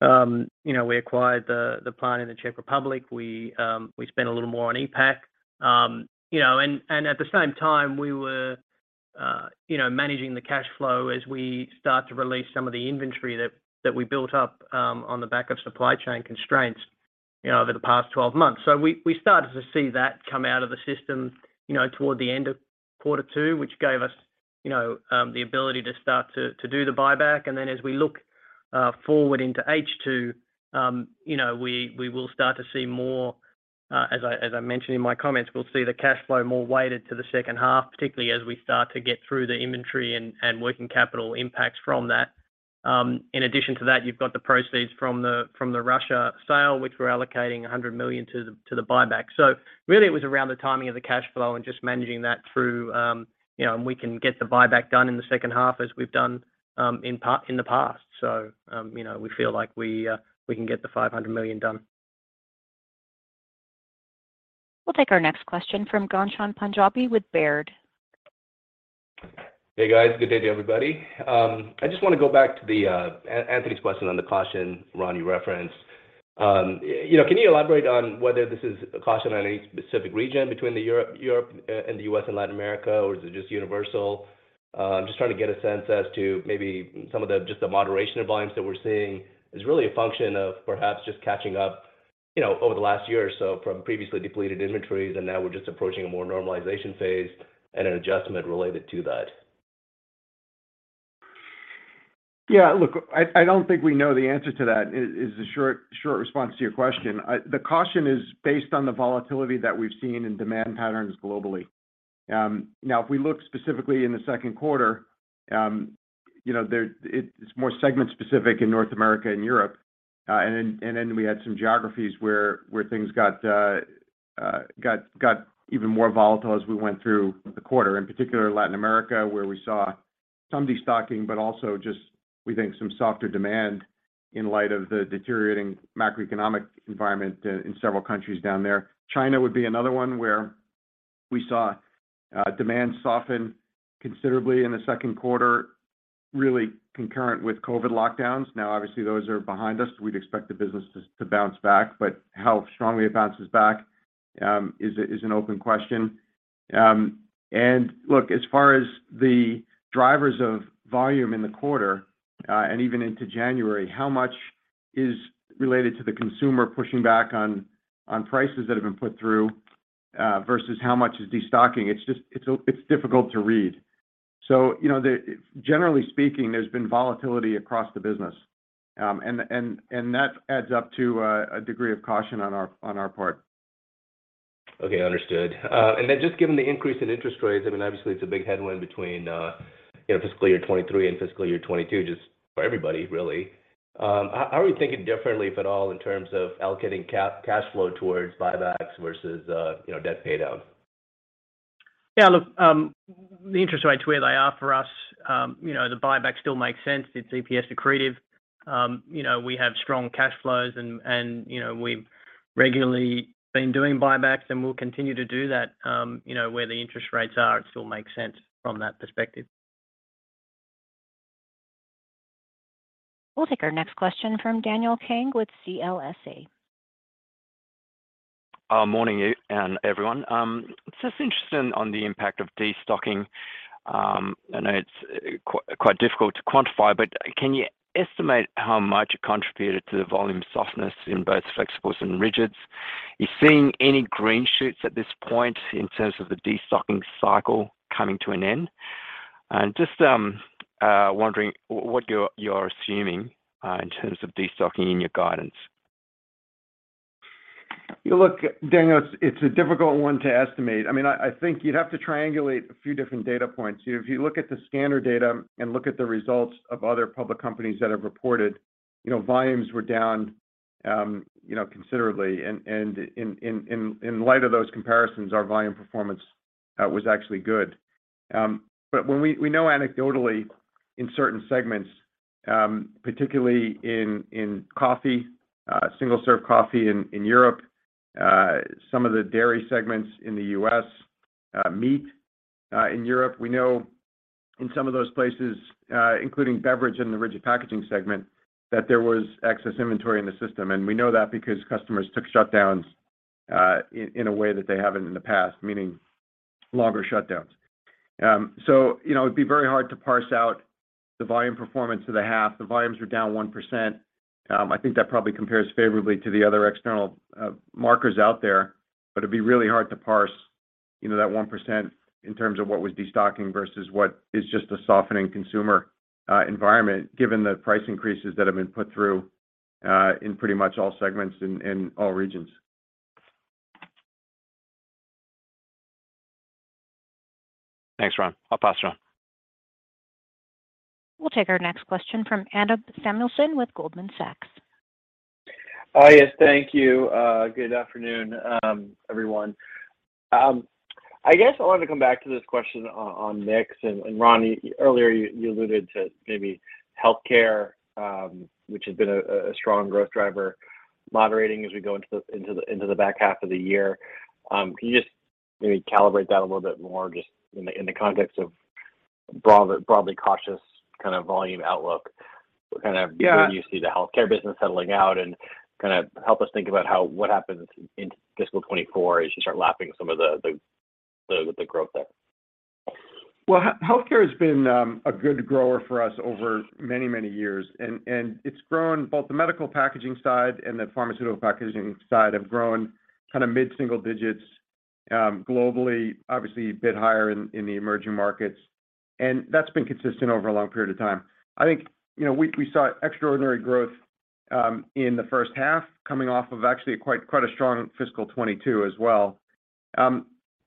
you know, we acquired the plant in the Czech Republic. We spent a little more on APAC. You know, and at the same time, we were, you know, managing the cash flow as we start to release some of the inventory that we built up on the back of supply chain constraints, you know, over the past 12 months. We started to see that come out of the system, you know, toward the end of quarter two, which gave us, you know, the ability to start to do the buyback. As we look forward into H2, you know, we will start to see more, as I mentioned in my comments, we'll see the cash flow more weighted to the second half, particularly as we start to get through the inventory and working capital impacts from that. In addition to that, you've got the proceeds from the Russia sale, which we're allocating $100 million to the buyback. Really it was around the timing of the cash flow and just managing that through, you know, and we can get the buyback done in the second half as we've done in the past. You know, we feel like we can get the $500 million done. We'll take our next question from Ghansham Panjabi with Baird. Hey, guys. Good day to everybody. I just wanna go back to the Anthony's question on the caution Ron you referenced. you know, can you elaborate on whether this is a caution on any specific region between Europe and the U.S. and Latin America, or is it just universal? I'm just trying to get a sense as to maybe some of the just the moderation of volumes that we're seeing is really a function of perhaps just catching up, you know, over the last year or so from previously depleted inventories, and now we're just approaching a more normalization phase and an adjustment related to that. Yeah. Look, I don't think we know the answer to that is the short response to your question. The caution is based on the volatility that we've seen in demand patterns globally. Now, if we look specifically in the second quarter, you know, it's more segment specific in North America and Europe. And then we had some geographies where things got even more volatile as we went through the quarter. In particular Latin America, where we saw some destocking, but also just we think some softer demand in light of the deteriorating macroeconomic environment in several countries down there. China would be another one where we saw demand soften considerably in the second quarter, really concurrent with COVID lockdowns. Obviously those are behind us. We'd expect the business to bounce back, but how strongly it bounces back is an open question. Look, as far as the drivers of volume in the quarter and even into January, how much is related to the consumer pushing back on prices that have been put through versus how much is destocking? It's difficult to read. You know, generally speaking, there's been volatility across the business. That adds up to a degree of caution on our part. Okay. Understood. Just given the increase in interest rates, I mean, obviously it's a big headwind between, you know, fiscal year 2023 and fiscal year 2022 just for everybody really. How are you thinking differently, if at all, in terms of allocating cash flow towards buybacks versus, you know, debt paydown? Yeah. Look, the interest rates where they are for us, you know, the buyback still makes sense. It's EPS accretive. You know, we have strong cash flows and, you know, we've regularly been doing buybacks, and we'll continue to do that. You know, where the interest rates are, it still makes sense from that perspective. We'll take our next question from Daniel Kang with CLSA. Morning, Ron and everyone. Just interested on the impact of destocking. I know it's quite difficult to quantify, but can you estimate how much it contributed to the volume softness in both Flexibles and Rigids? Are you seeing any green shoots at this point in terms of the destocking cycle coming to an end? Just wondering what you're assuming in terms of destocking in your guidance. Yeah. Look, Daniel, it's a difficult one to estimate. I mean, I think you'd have to triangulate a few different data points. You know, if you look at the scanner data and look at the results of other public companies that have reported, you know, volumes were down considerably. In light of those comparisons, our volume performance was actually good. We know anecdotally in certain segments, particularly in coffee, single-serve coffee in Europe, some of the dairy segments in the U.S., meat in Europe. We know in some of those places, including beverage and the rigid packaging segment, that there was excess inventory in the system. We know that because customers took shutdowns, in a way that they haven't in the past, meaning longer shutdowns. You know, it'd be very hard to parse out the volume performance of the half. The volumes were down 1%. I think that probably compares favorably to the other external markers out there. It'd be really hard to parse, you know, that 1% in terms of what was destocking versus what is just a softening consumer environment, given the price increases that have been put through in pretty much all segments in all regions. Thanks, Ron. I'll pass it on. We'll take our next question from Adam Samuelson with Goldman Sachs. Yes, thank you. Good afternoon, everyone. I guess I wanted to come back to this question on mix. Ron, earlier you alluded to maybe healthcare, which has been a strong growth driver moderating as we go into the back half of the year. Can you just maybe calibrate that a little bit more just in the context of broadly cautious kind of volume outlook? What kind of? Yeah... view you see the healthcare business settling out? Kind of help us think about what happens in fiscal 2024 as you start lapping some of the growth there. Well, healthcare has been a good grower for us over many, many years. It's grown both the medical packaging side and the pharmaceutical packaging side have grown kind of mid-single digits globally, obviously a bit higher in the emerging markets. That's been consistent over a long period of time. I think, you know, we saw extraordinary growth in the first half coming off of actually quite a strong fiscal 2022 as well.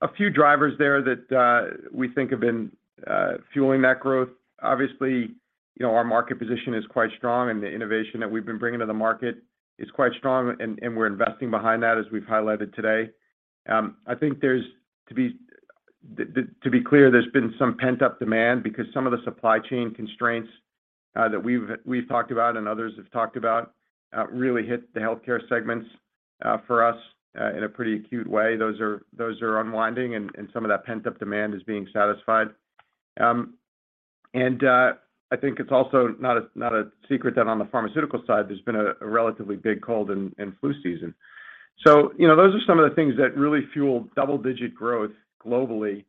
A few drivers there that we think have been fueling that growth. Obviously, you know, our market position is quite strong, and the innovation that we've been bringing to the market is quite strong, and we're investing behind that, as we've highlighted today. I think there's to be clear, there's been some pent-up demand because some of the supply chain constraints that we've talked about and others have talked about really hit the healthcare segments for us in a pretty acute way. Those are unwinding, and some of that pent-up demand is being satisfied. I think it's also not a secret that on the pharmaceutical side, there's been a relatively big cold and flu season. You know, those are some of the things that really fuel double-digit growth globally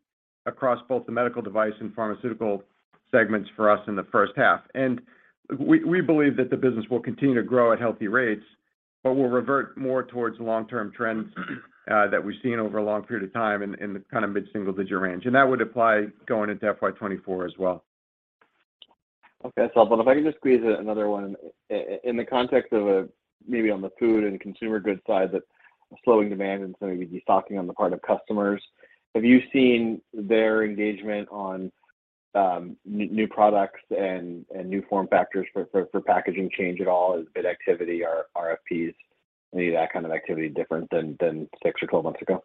across both the medical device and pharmaceutical segments for us in the first half. We believe that the business will continue to grow at healthy rates, but will revert more towards long-term trends that we've seen over a long period of time in the kind of mid-single digit range. That would apply going into FY 2024 as well. If I can just squeeze another one. In the context of, maybe on the food and consumer goods side, that slowing demand and some of the destocking on the part of customers, have you seen their engagement on new products and new form factors for packaging change at all? Is bid activity or RFPs, any of that kind of activity different than six or 12 months ago?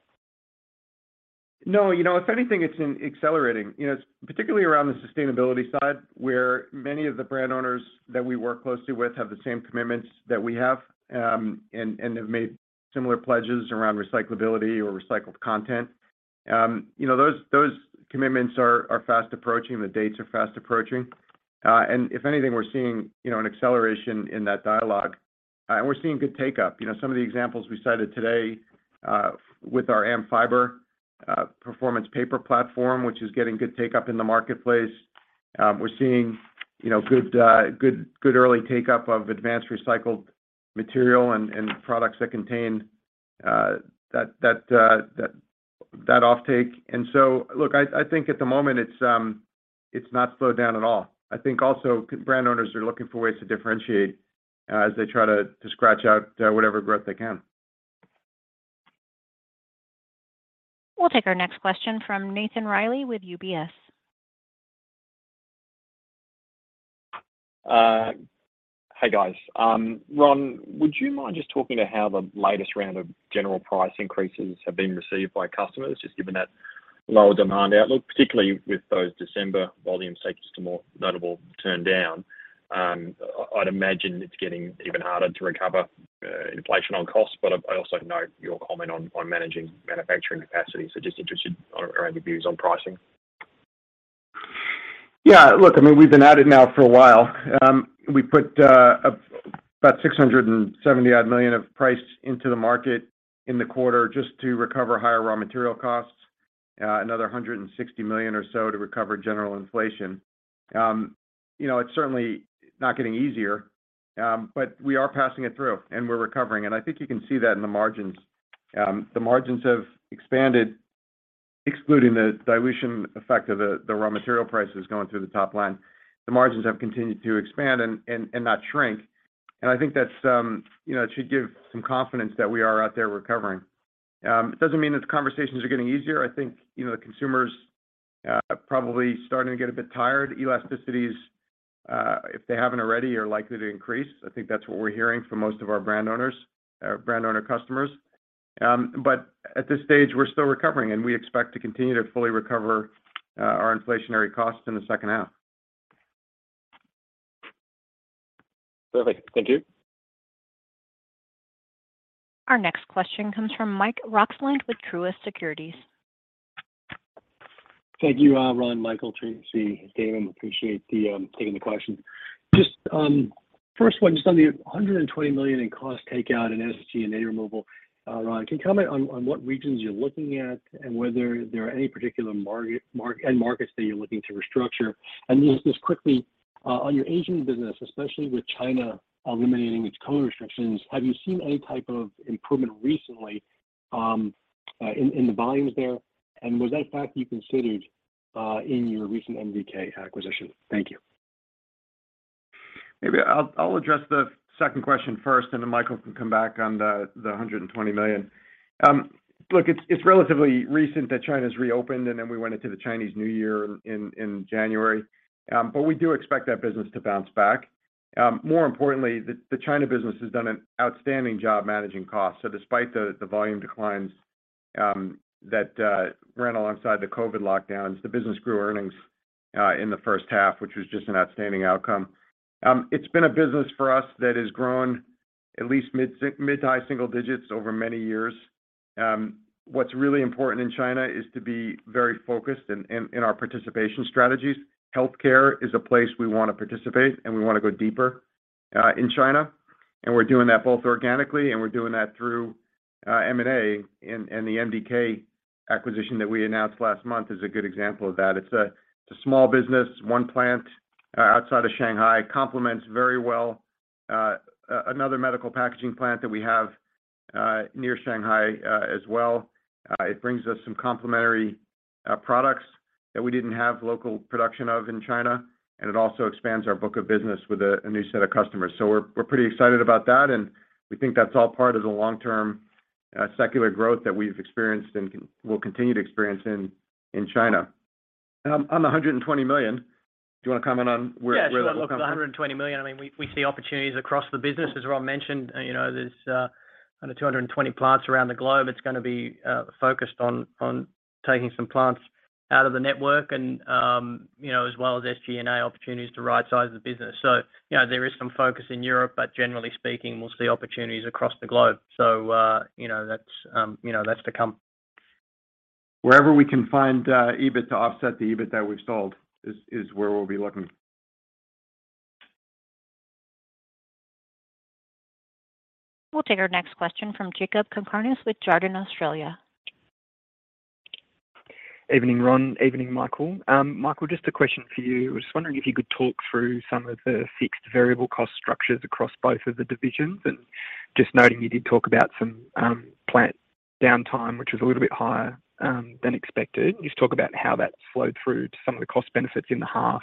No. You know, if anything, it's accelerating. You know, particularly around the sustainability side, where many of the brand owners that we work closely with have the same commitments that we have, and have made similar pledges around recyclability or recycled content. You know, those commitments are fast approaching, the dates are fast approaching. If anything, we're seeing, you know, an acceleration in that dialogue, and we're seeing good take-up. You know, some of the examples we cited today, with our AmFiber performance paper platform, which is getting good take-up in the marketplace. We're seeing, you know, good early take-up of advanced recycled material and products that contain that offtake. Look, I think at the moment it's not slowed down at all. I think also brand owners are looking for ways to differentiate, as they try to scratch out whatever growth they can. We'll take our next question from Nathan Reilly with UBS. Hey, guys. Ron, would you mind just talking to how the latest round of general price increases have been received by customers, just given that lower demand outlook, particularly with those December volume stakes to more notable turn down? I'd imagine it's getting even harder to recover inflation on costs, but I also note your comment on managing manufacturing capacity. Just interested on around your views on pricing. Yeah. Look, I mean, we've been at it now for a while. We put about $670 million of price into the market in the quarter just to recover higher raw material costs. Another $160 million or so to recover general inflation. You know, it's certainly not getting easier, but we are passing it through, and we're recovering, and I think you can see that in the margins. The margins have expanded, excluding the dilution effect of the raw material prices going through the top line. The margins have continued to expand and not shrink. I think that's, you know, it should give some confidence that we are out there recovering. It doesn't mean the conversations are getting easier. I think, you know, the consumers are probably starting to get a bit tired. Elasticities, if they haven't already, are likely to increase. I think that's what we're hearing from most of our brand owners, brand owner customers. At this stage, we're still recovering, and we expect to continue to fully recover our inflationary costs in the second half. Perfect. Thank you. Our next question comes from Mike Roxland with Truist Securities. Thank you, Ron, Michael, Tracy, Damon. Appreciate the taking the questions. Just, first one, just on the $120 million in cost takeout and SG&A removal, Ron, can you comment on what regions you're looking at, and whether there are any particular end markets that you're looking to restructure? Just quickly, on your Asian business, especially with China eliminating its COVID restrictions, have you seen any type of improvement recently in the volumes there? Was that factor considered in your recent MDK acquisition? Thank you. Maybe I'll address the second question first. Then Michael can come back on the $120 million. Look, it's relatively recent that China's reopened. Then we went into the Chinese New Year in January. We do expect that business to bounce back. More importantly, the China business has done an outstanding job managing costs. Despite the volume declines that ran alongside the COVID lockdowns, the business grew earnings in the first half, which was just an outstanding outcome. It's been a business for us that has grown at least mid-to-high single digits over many years. What's really important in China is to be very focused in our participation strategies. Healthcare is a place we wanna participate, and we wanna go deeper in China. We're doing that both organically, and we're doing that through M&A. The MDK acquisition that we announced last month is a good example of that. It's a small business, one plant outside of Shanghai. Complements very well another medical packaging plant that we have near Shanghai as well. It brings us some complementary products that we didn't have local production of in China, and it also expands our book of business with a new set of customers. We're pretty excited about that, and we think that's all part of the long-term secular growth that we've experienced and will continue to experience in China. On the $120 million, do you wanna comment on where that will come from? Yeah. Sure. Look, the $120 million, I mean, we see opportunities across the business. As Ron mentioned, you know, there's kind of 220 plants around the globe. It's gonna be focused on taking some plants out of the network and, you know, as well as SG&A opportunities to rightsize the business. You know, there is some focus in Europe, but generally speaking, we'll see opportunities across the globe. You know, that's, you know, that's to come. Wherever we can find, EBIT to offset the EBIT that we've sold is where we'll be looking. We'll take our next question from Jakob Cakarnis with Jarden Australia. Evening, Ron. Evening, Michael. Michael, just a question for you. I was just wondering if you could talk through some of the fixed variable cost structures across both of the divisions, and just noting you did talk about some plant downtime, which was a little bit higher than expected. Can you just talk about how that's flowed through to some of the cost benefits in the half,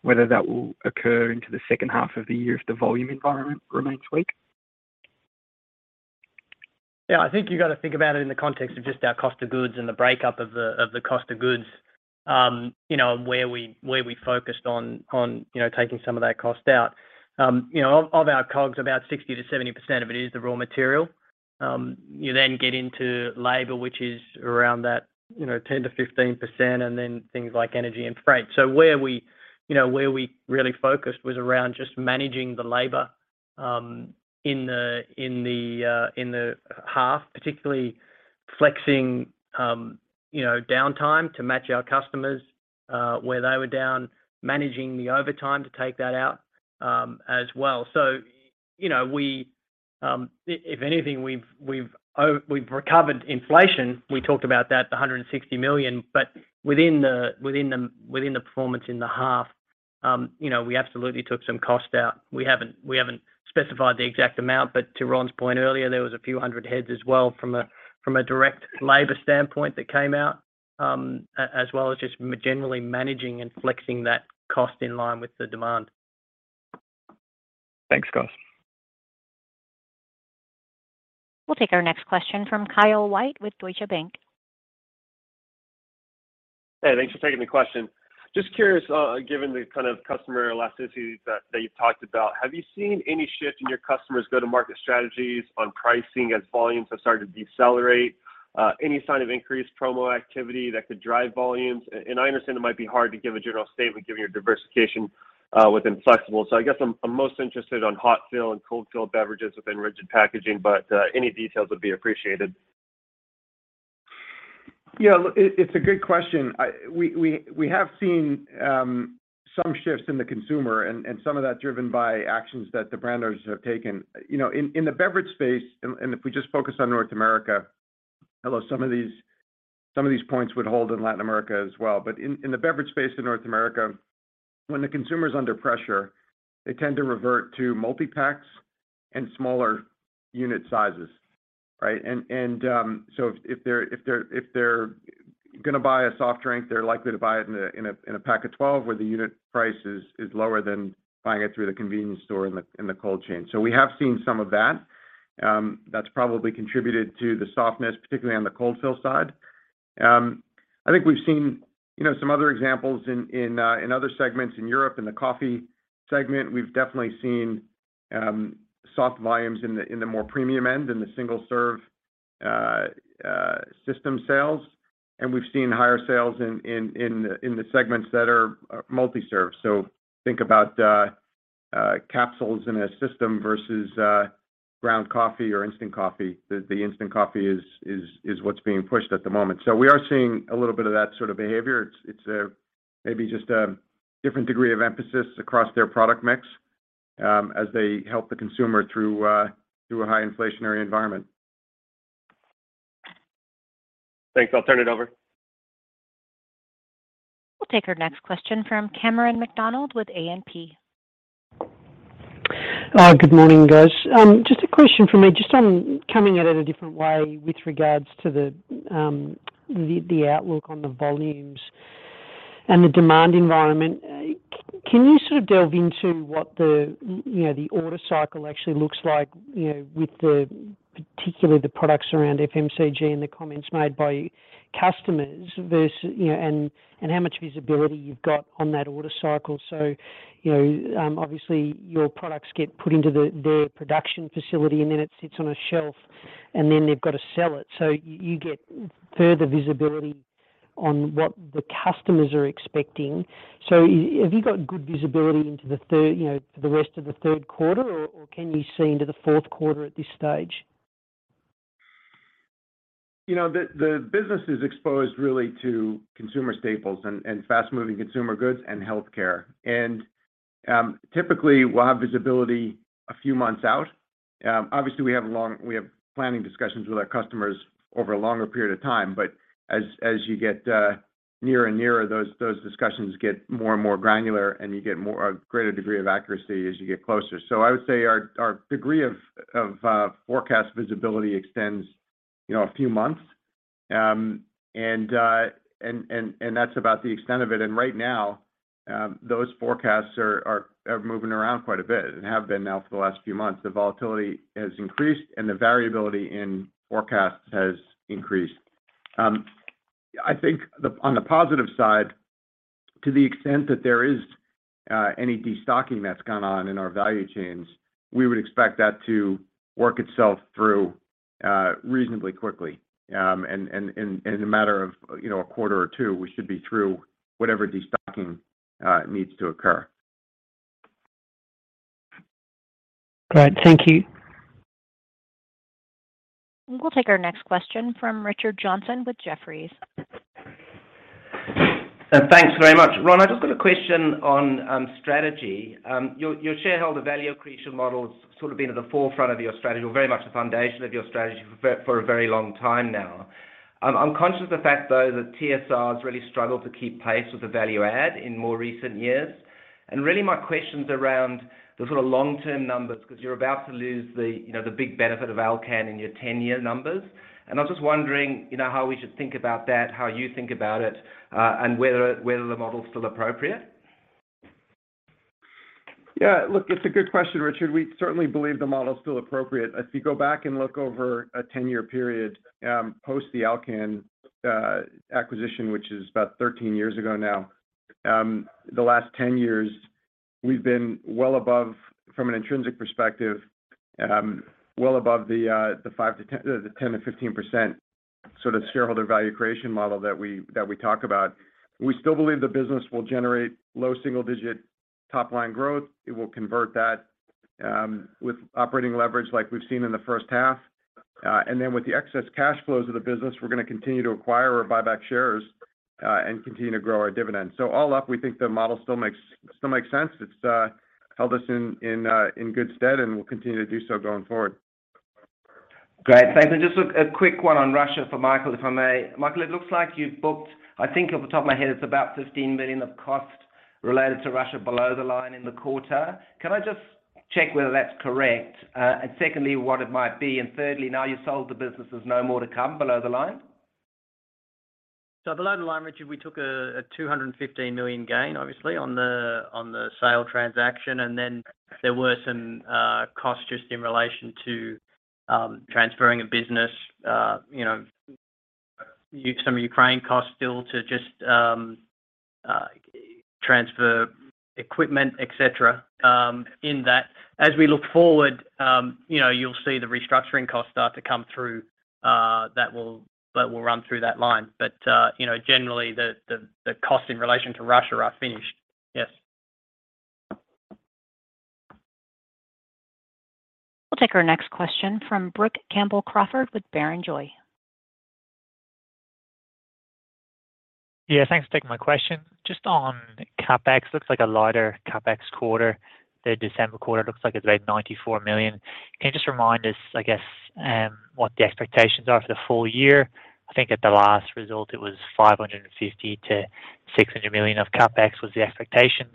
whether that will occur into the second half of the year if the volume environment remains weak? Yeah. I think you gotta think about it in the context of just our cost of goods and the breakup of the cost of goods, you know, and where we focused on, you know, taking some of that cost out. You know, of our COGS, about 60%-70% of it is the raw material. You then get into labor, which is around that, you know, 10%-15%, and then things like energy and freight. Where we, you know, where we really focused was around just managing the labor in the half, particularly flexing, you know, downtime to match our customers, where they were down, managing the overtime to take that out as well. You know, we, if anything, we've recovered inflation. We talked about that, the $160 million. Within the performance in the half, you know, we absolutely took some cost out. We haven't specified the exact amount. To Ron's point earlier, there was a few hundred heads as well from a direct labor standpoint that came out, as well as just generally managing and flexing that cost in line with the demand. Thanks, guys. We'll take our next question from Kyle White with Deutsche Bank. Hey, thanks for taking the question. Just curious, given the kind of customer elasticity that you've talked about, have you seen any shift in your customers go-to-market strategies on pricing as volumes have started to decelerate? Any sign of increased promo activity that could drive volumes? I understand it might be hard to give a general statement given your diversification, within Flexible. I guess I'm most interested on hot fill and cold fill beverages within Rigid Packaging, but any details would be appreciated. Yeah. Look, it's a good question. I. We have seen some shifts in the consumer and some of that driven by actions that the branders have taken. You know, in the beverage space, and if we just focus on North America, although some of these points would hold in Latin America as well. In the beverage space in North America, when the consumer's under pressure, they tend to revert to multi-packs and smaller unit sizes, right? If they're gonna buy a soft drink, they're likely to buy it in a pack of 12 where the unit price is lower than buying it through the convenience store in the cold chain. We have seen some of that's probably contributed to the softness, particularly on the cold fill side. I think we've seen, you know, some other examples in other segments. In Europe, in the coffee segment, we've definitely seen soft volumes in the, in the more premium end in the single-serve system sales, and we've seen higher sales in the segments that are multi-serve. Think about capsules in a system versus ground coffee or instant coffee. The instant coffee is what's being pushed at the moment. We are seeing a little bit of that sort of behavior. It's a, maybe just a different degree of emphasis across their product mix, as they help the consumer through a high inflationary environment. Thanks. I'll turn it over. We'll take our next question from Cameron McDonald with E&P. Good morning, guys. Just a question from me just on coming at it a different way with regards to the outlook on the volumes and the demand environment. Can you sort of delve into what you know, the order cycle actually looks like, you know, with the particularly the products around FMCG and how much visibility you've got on that order cycle? You know, obviously, your products get put into the production facility, and then it sits on a shelf, and then they've got to sell it. You get further visibility on what the customers are expecting. Have you got good visibility into the third, you know, for the rest of the third quarter, or can you see into the fourth quarter at this stage? You know, the business is exposed really to consumer staples and fast-moving consumer goods and healthcare. Typically, we'll have visibility a few months out. Obviously, we have planning discussions with our customers over a longer period of time. As you get nearer and nearer, those discussions get more and more granular, and you get more, a greater degree of accuracy as you get closer. I would say our degree of forecast visibility extends, you know, a few months. That's about the extent of it. Right now, those forecasts are moving around quite a bit and have been now for the last few months. The volatility has increased, and the variability in forecasts has increased. I think on the positive side, to the extent that there is any destocking that's gone on in our value chains, we would expect that to work itself through reasonably quickly. In a matter of, you know, a quarter or two, we should be through whatever destocking needs to occur. Great. Thank you. We'll take our next question from Richard Johnson with Jefferies. Thanks very much. Ron, I just got a question on strategy. Your shareholder value creation model's sort of been at the forefront of your strategy or very much the foundation of your strategy for a very long time now. I'm conscious of the fact though that TSR has really struggled to keep pace with the value add in more recent years. Really my question's around the sort of long-term numbers, 'cause you're about to lose the, you know, the big benefit of Alcan in your 10-year numbers. I was just wondering, you know, how we should think about that, how you think about it, and whether the model's still appropriate? Look, it's a good question, Richard Johnson. We certainly believe the model's still appropriate. As you go back and look over a 10-year period, post the Alcan acquisition, which is about 13 years ago now, the last 10 years we've been well above, from an intrinsic perspective, well above the 10%-15% sort of shareholder value creation model that we talk about. We still believe the business will generate low single digit top line growth. It will convert that with operating leverage like we've seen in the first half. With the excess cash flows of the business, we're gonna continue to acquire or buy back shares and continue to grow our dividends. All up we think the model still makes sense. It's held us in good stead, and will continue to do so going forward. Great. Thanks. Just a quick one on Russia for Michael, if I may. Michael, it looks like you've booked, I think off the top of my head it's about $15 million of cost related to Russia below the line in the quarter. Can I just check whether that's correct? Secondly, what it might be, and thirdly, now you've sold the business, there's no more to come below the line? Below the line, Richard, we took a $215 million gain obviously on the sale transaction and then there were some costs just in relation to transferring a business. You know, some Ukraine costs still to just transfer equipment, et cetera, in that. As we look forward, you know, you'll see the restructuring costs start to come through, that will run through that line. You know, generally the costs in relation to Russia are finished. Yes. We'll take our next question from Brook Campbell-Crawford with Barrenjoey. Yeah, thanks for taking my question. Just on CapEx. Looks like a lighter CapEx quarter. The December quarter looks like it's about $94 million. Can you just remind us, I guess, what the expectations are for the full year? I think at the last result it was $550 million-$600 million of CapEx was the expectation.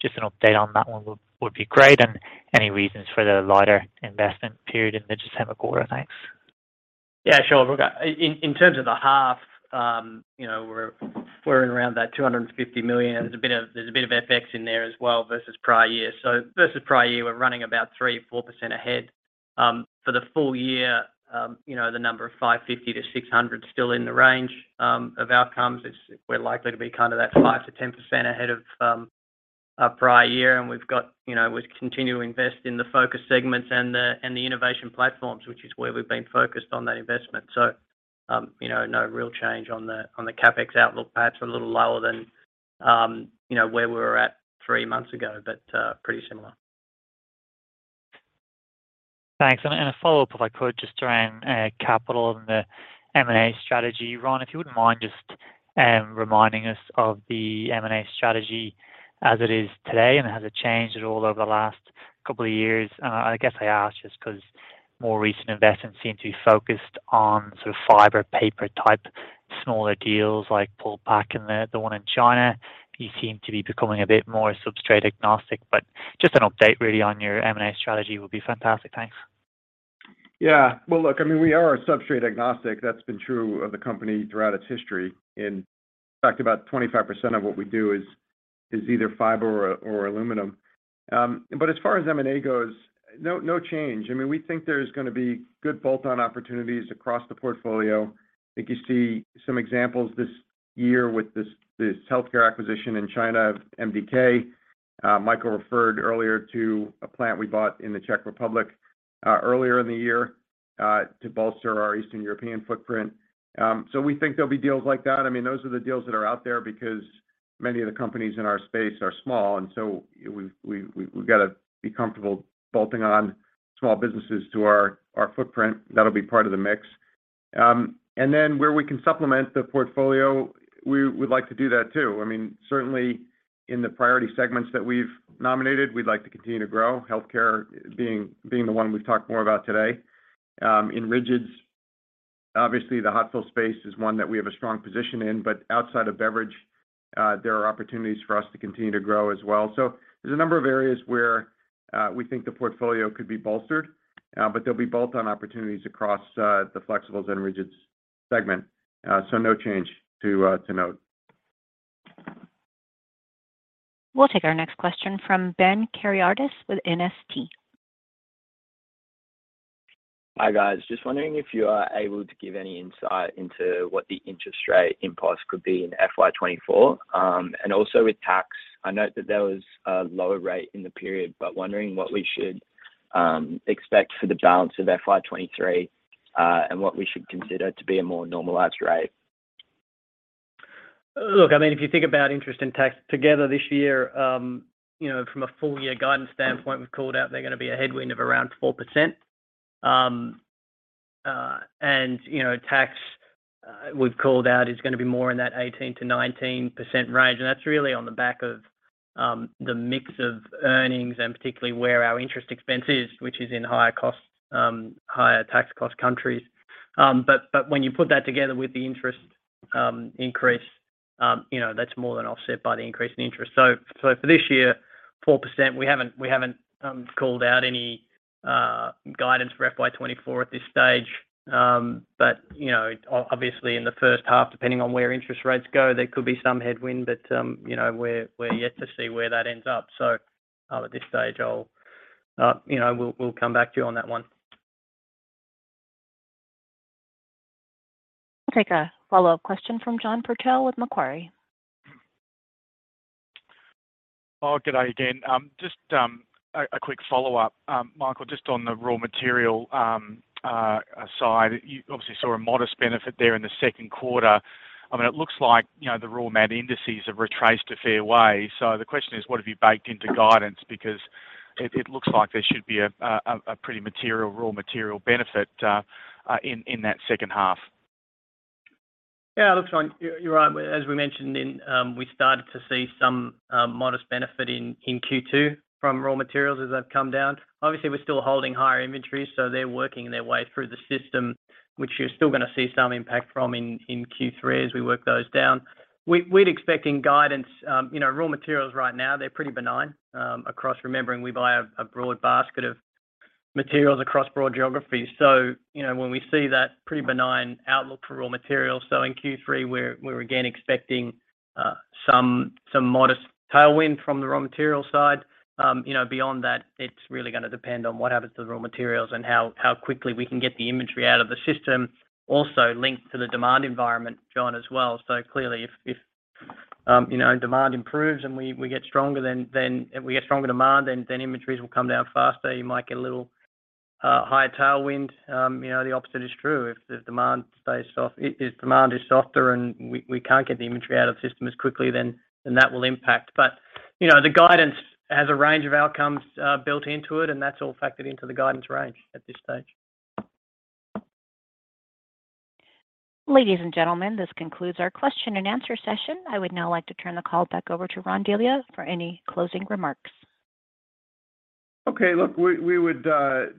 Just an update on that one would be great, and any reasons for the lighter investment period in the December quarter. Thanks. Yeah, sure, Brook. In terms of the half, you know, we're in around that $250 million. There's a bit of FX in there as well versus prior year. Versus prior year, we're running about 3%-4% ahead. For the full year, you know, the number of $550 million-$600 million still in the range of outcomes. We're likely to be kind of that 5%-10% ahead of our prior year. You know, we continue to invest in the focus segments and the innovation platforms, which is where we've been focused on that investment. You know, no real change on the CapEx outlook. Perhaps a little lower than, you know, where we were at three months ago, but, pretty similar. Thanks. A follow-up, if I could, just around capital and the M&A strategy. Ron, if you wouldn't mind just reminding us of the M&A strategy as it is today, and has it changed at all over the last couple of years? I guess I ask just 'cause more recent investments seem to be focused on sort of fiber paper type smaller deals like PulPac and the one in China. You seem to be becoming a bit more substrate agnostic. Just an update really on your M&A strategy would be fantastic. Thanks. Well, look, I mean, we are a substrate agnostic. That's been true of the company throughout its history. In fact, about 25% of what we do is either fiber or aluminum. As far as M&A goes, no change. I mean, we think there's gonna be good bolt-on opportunities across the portfolio. I think you see some examples this year with this healthcare acquisition in China, MDK. Michael referred earlier to a plant we bought in the Czech Republic earlier in the year to bolster our Eastern European footprint. We think there'll be deals like that. I mean, those are the deals that are out there because many of the companies in our space are small, we've gotta be comfortable bolting on small businesses to our footprint. That'll be part of the mix. Where we can supplement the portfolio, we would like to do that too. I mean, certainly in the priority segments that we've nominated, we'd like to continue to grow, healthcare being the one we've talked more about today. In Rigids, obviously the hot fill space is one that we have a strong position in, but outside of beverage, there are opportunities for us to continue to grow as well. There's a number of areas where we think the portfolio could be bolstered. There'll be bolt-on opportunities across the Flexibles and Rigids segment. No change to note. We'll take our next question from Ben Kairaitis with MST. Hi, guys. Just wondering if you are able to give any insight into what the interest rate impulse could be in FY 2024. Also with tax, I note that there was a lower rate in the period, but wondering what we should expect for the balance of FY 2023, and what we should consider to be a more normalized rate. Look, I mean, if you think about interest and tax together this year, you know, from a full year guidance standpoint, we've called out they're gonna be a headwind of around 4%. Tax, we've called out is gonna be more in that 18%-19% range, and that's really on the back of the mix of earnings and particularly where our interest expense is, which is in higher cost, higher tax cost countries. When you put that together with the interest increase, you know, that's more than offset by the increase in interest. For this year, 4%, we haven't called out any guidance for FY 2024 at this stage. You know, obviously in the first half, depending on where interest rates go, there could be some headwind. You know, we're yet to see where that ends up. At this stage, I'll, you know, we'll come back to you on that one. We'll take a follow-up question from John Purtell with Macquarie. Good day again. Just a quick follow-up. Michael, just on the raw material side, you obviously saw a modest benefit there in the second quarter. I mean, it looks like, you know, the raw mat indices have retraced a fair way. The question is, what have you baked into guidance? It looks like there should be a pretty material, raw material benefit in that second half. Yeah. Look, John, you're right. As we mentioned in, we started to see some modest benefit in Q2 from raw materials as they've come down. Obviously, we're still holding higher inventories, so they're working their way through the system, which you're still gonna see some impact from in Q3 as we work those down. We'd expect in guidance, you know, raw materials right now, they're pretty benign, across remembering we buy a broad basket of materials across broad geographies. You know, when we see that pretty benign outlook for raw materials. In Q3, we're again expecting some modest tailwind from the raw material side. You know, beyond that, it's really gonna depend on what happens to the raw materials and how quickly we can get the inventory out of the system, also linked to the demand environment, John, as well. Clearly if, you know, demand improves and we get stronger, then we get stronger demand, then inventories will come down faster. You might get a little higher tailwind. You know, the opposite is true. If demand is softer and we can't get the inventory out of the system as quickly, then that will impact. You know, the guidance has a range of outcomes built into it, and that's all factored into the guidance range at this stage. Ladies and gentlemen, this concludes our question and answer session. I would now like to turn the call back over to Ron Delia for any closing remarks. Okay. Look, we would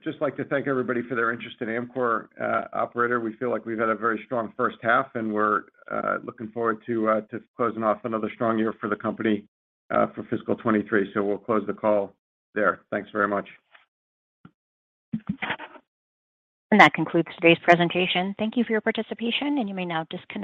just like to thank everybody for their interest in Amcor. Operator, we feel like we've had a very strong first half, and we're looking forward to closing off another strong year for the company for fiscal 2023. We'll close the call there. Thanks very much. That concludes today's presentation. Thank you for your participation, and you may now disconnect.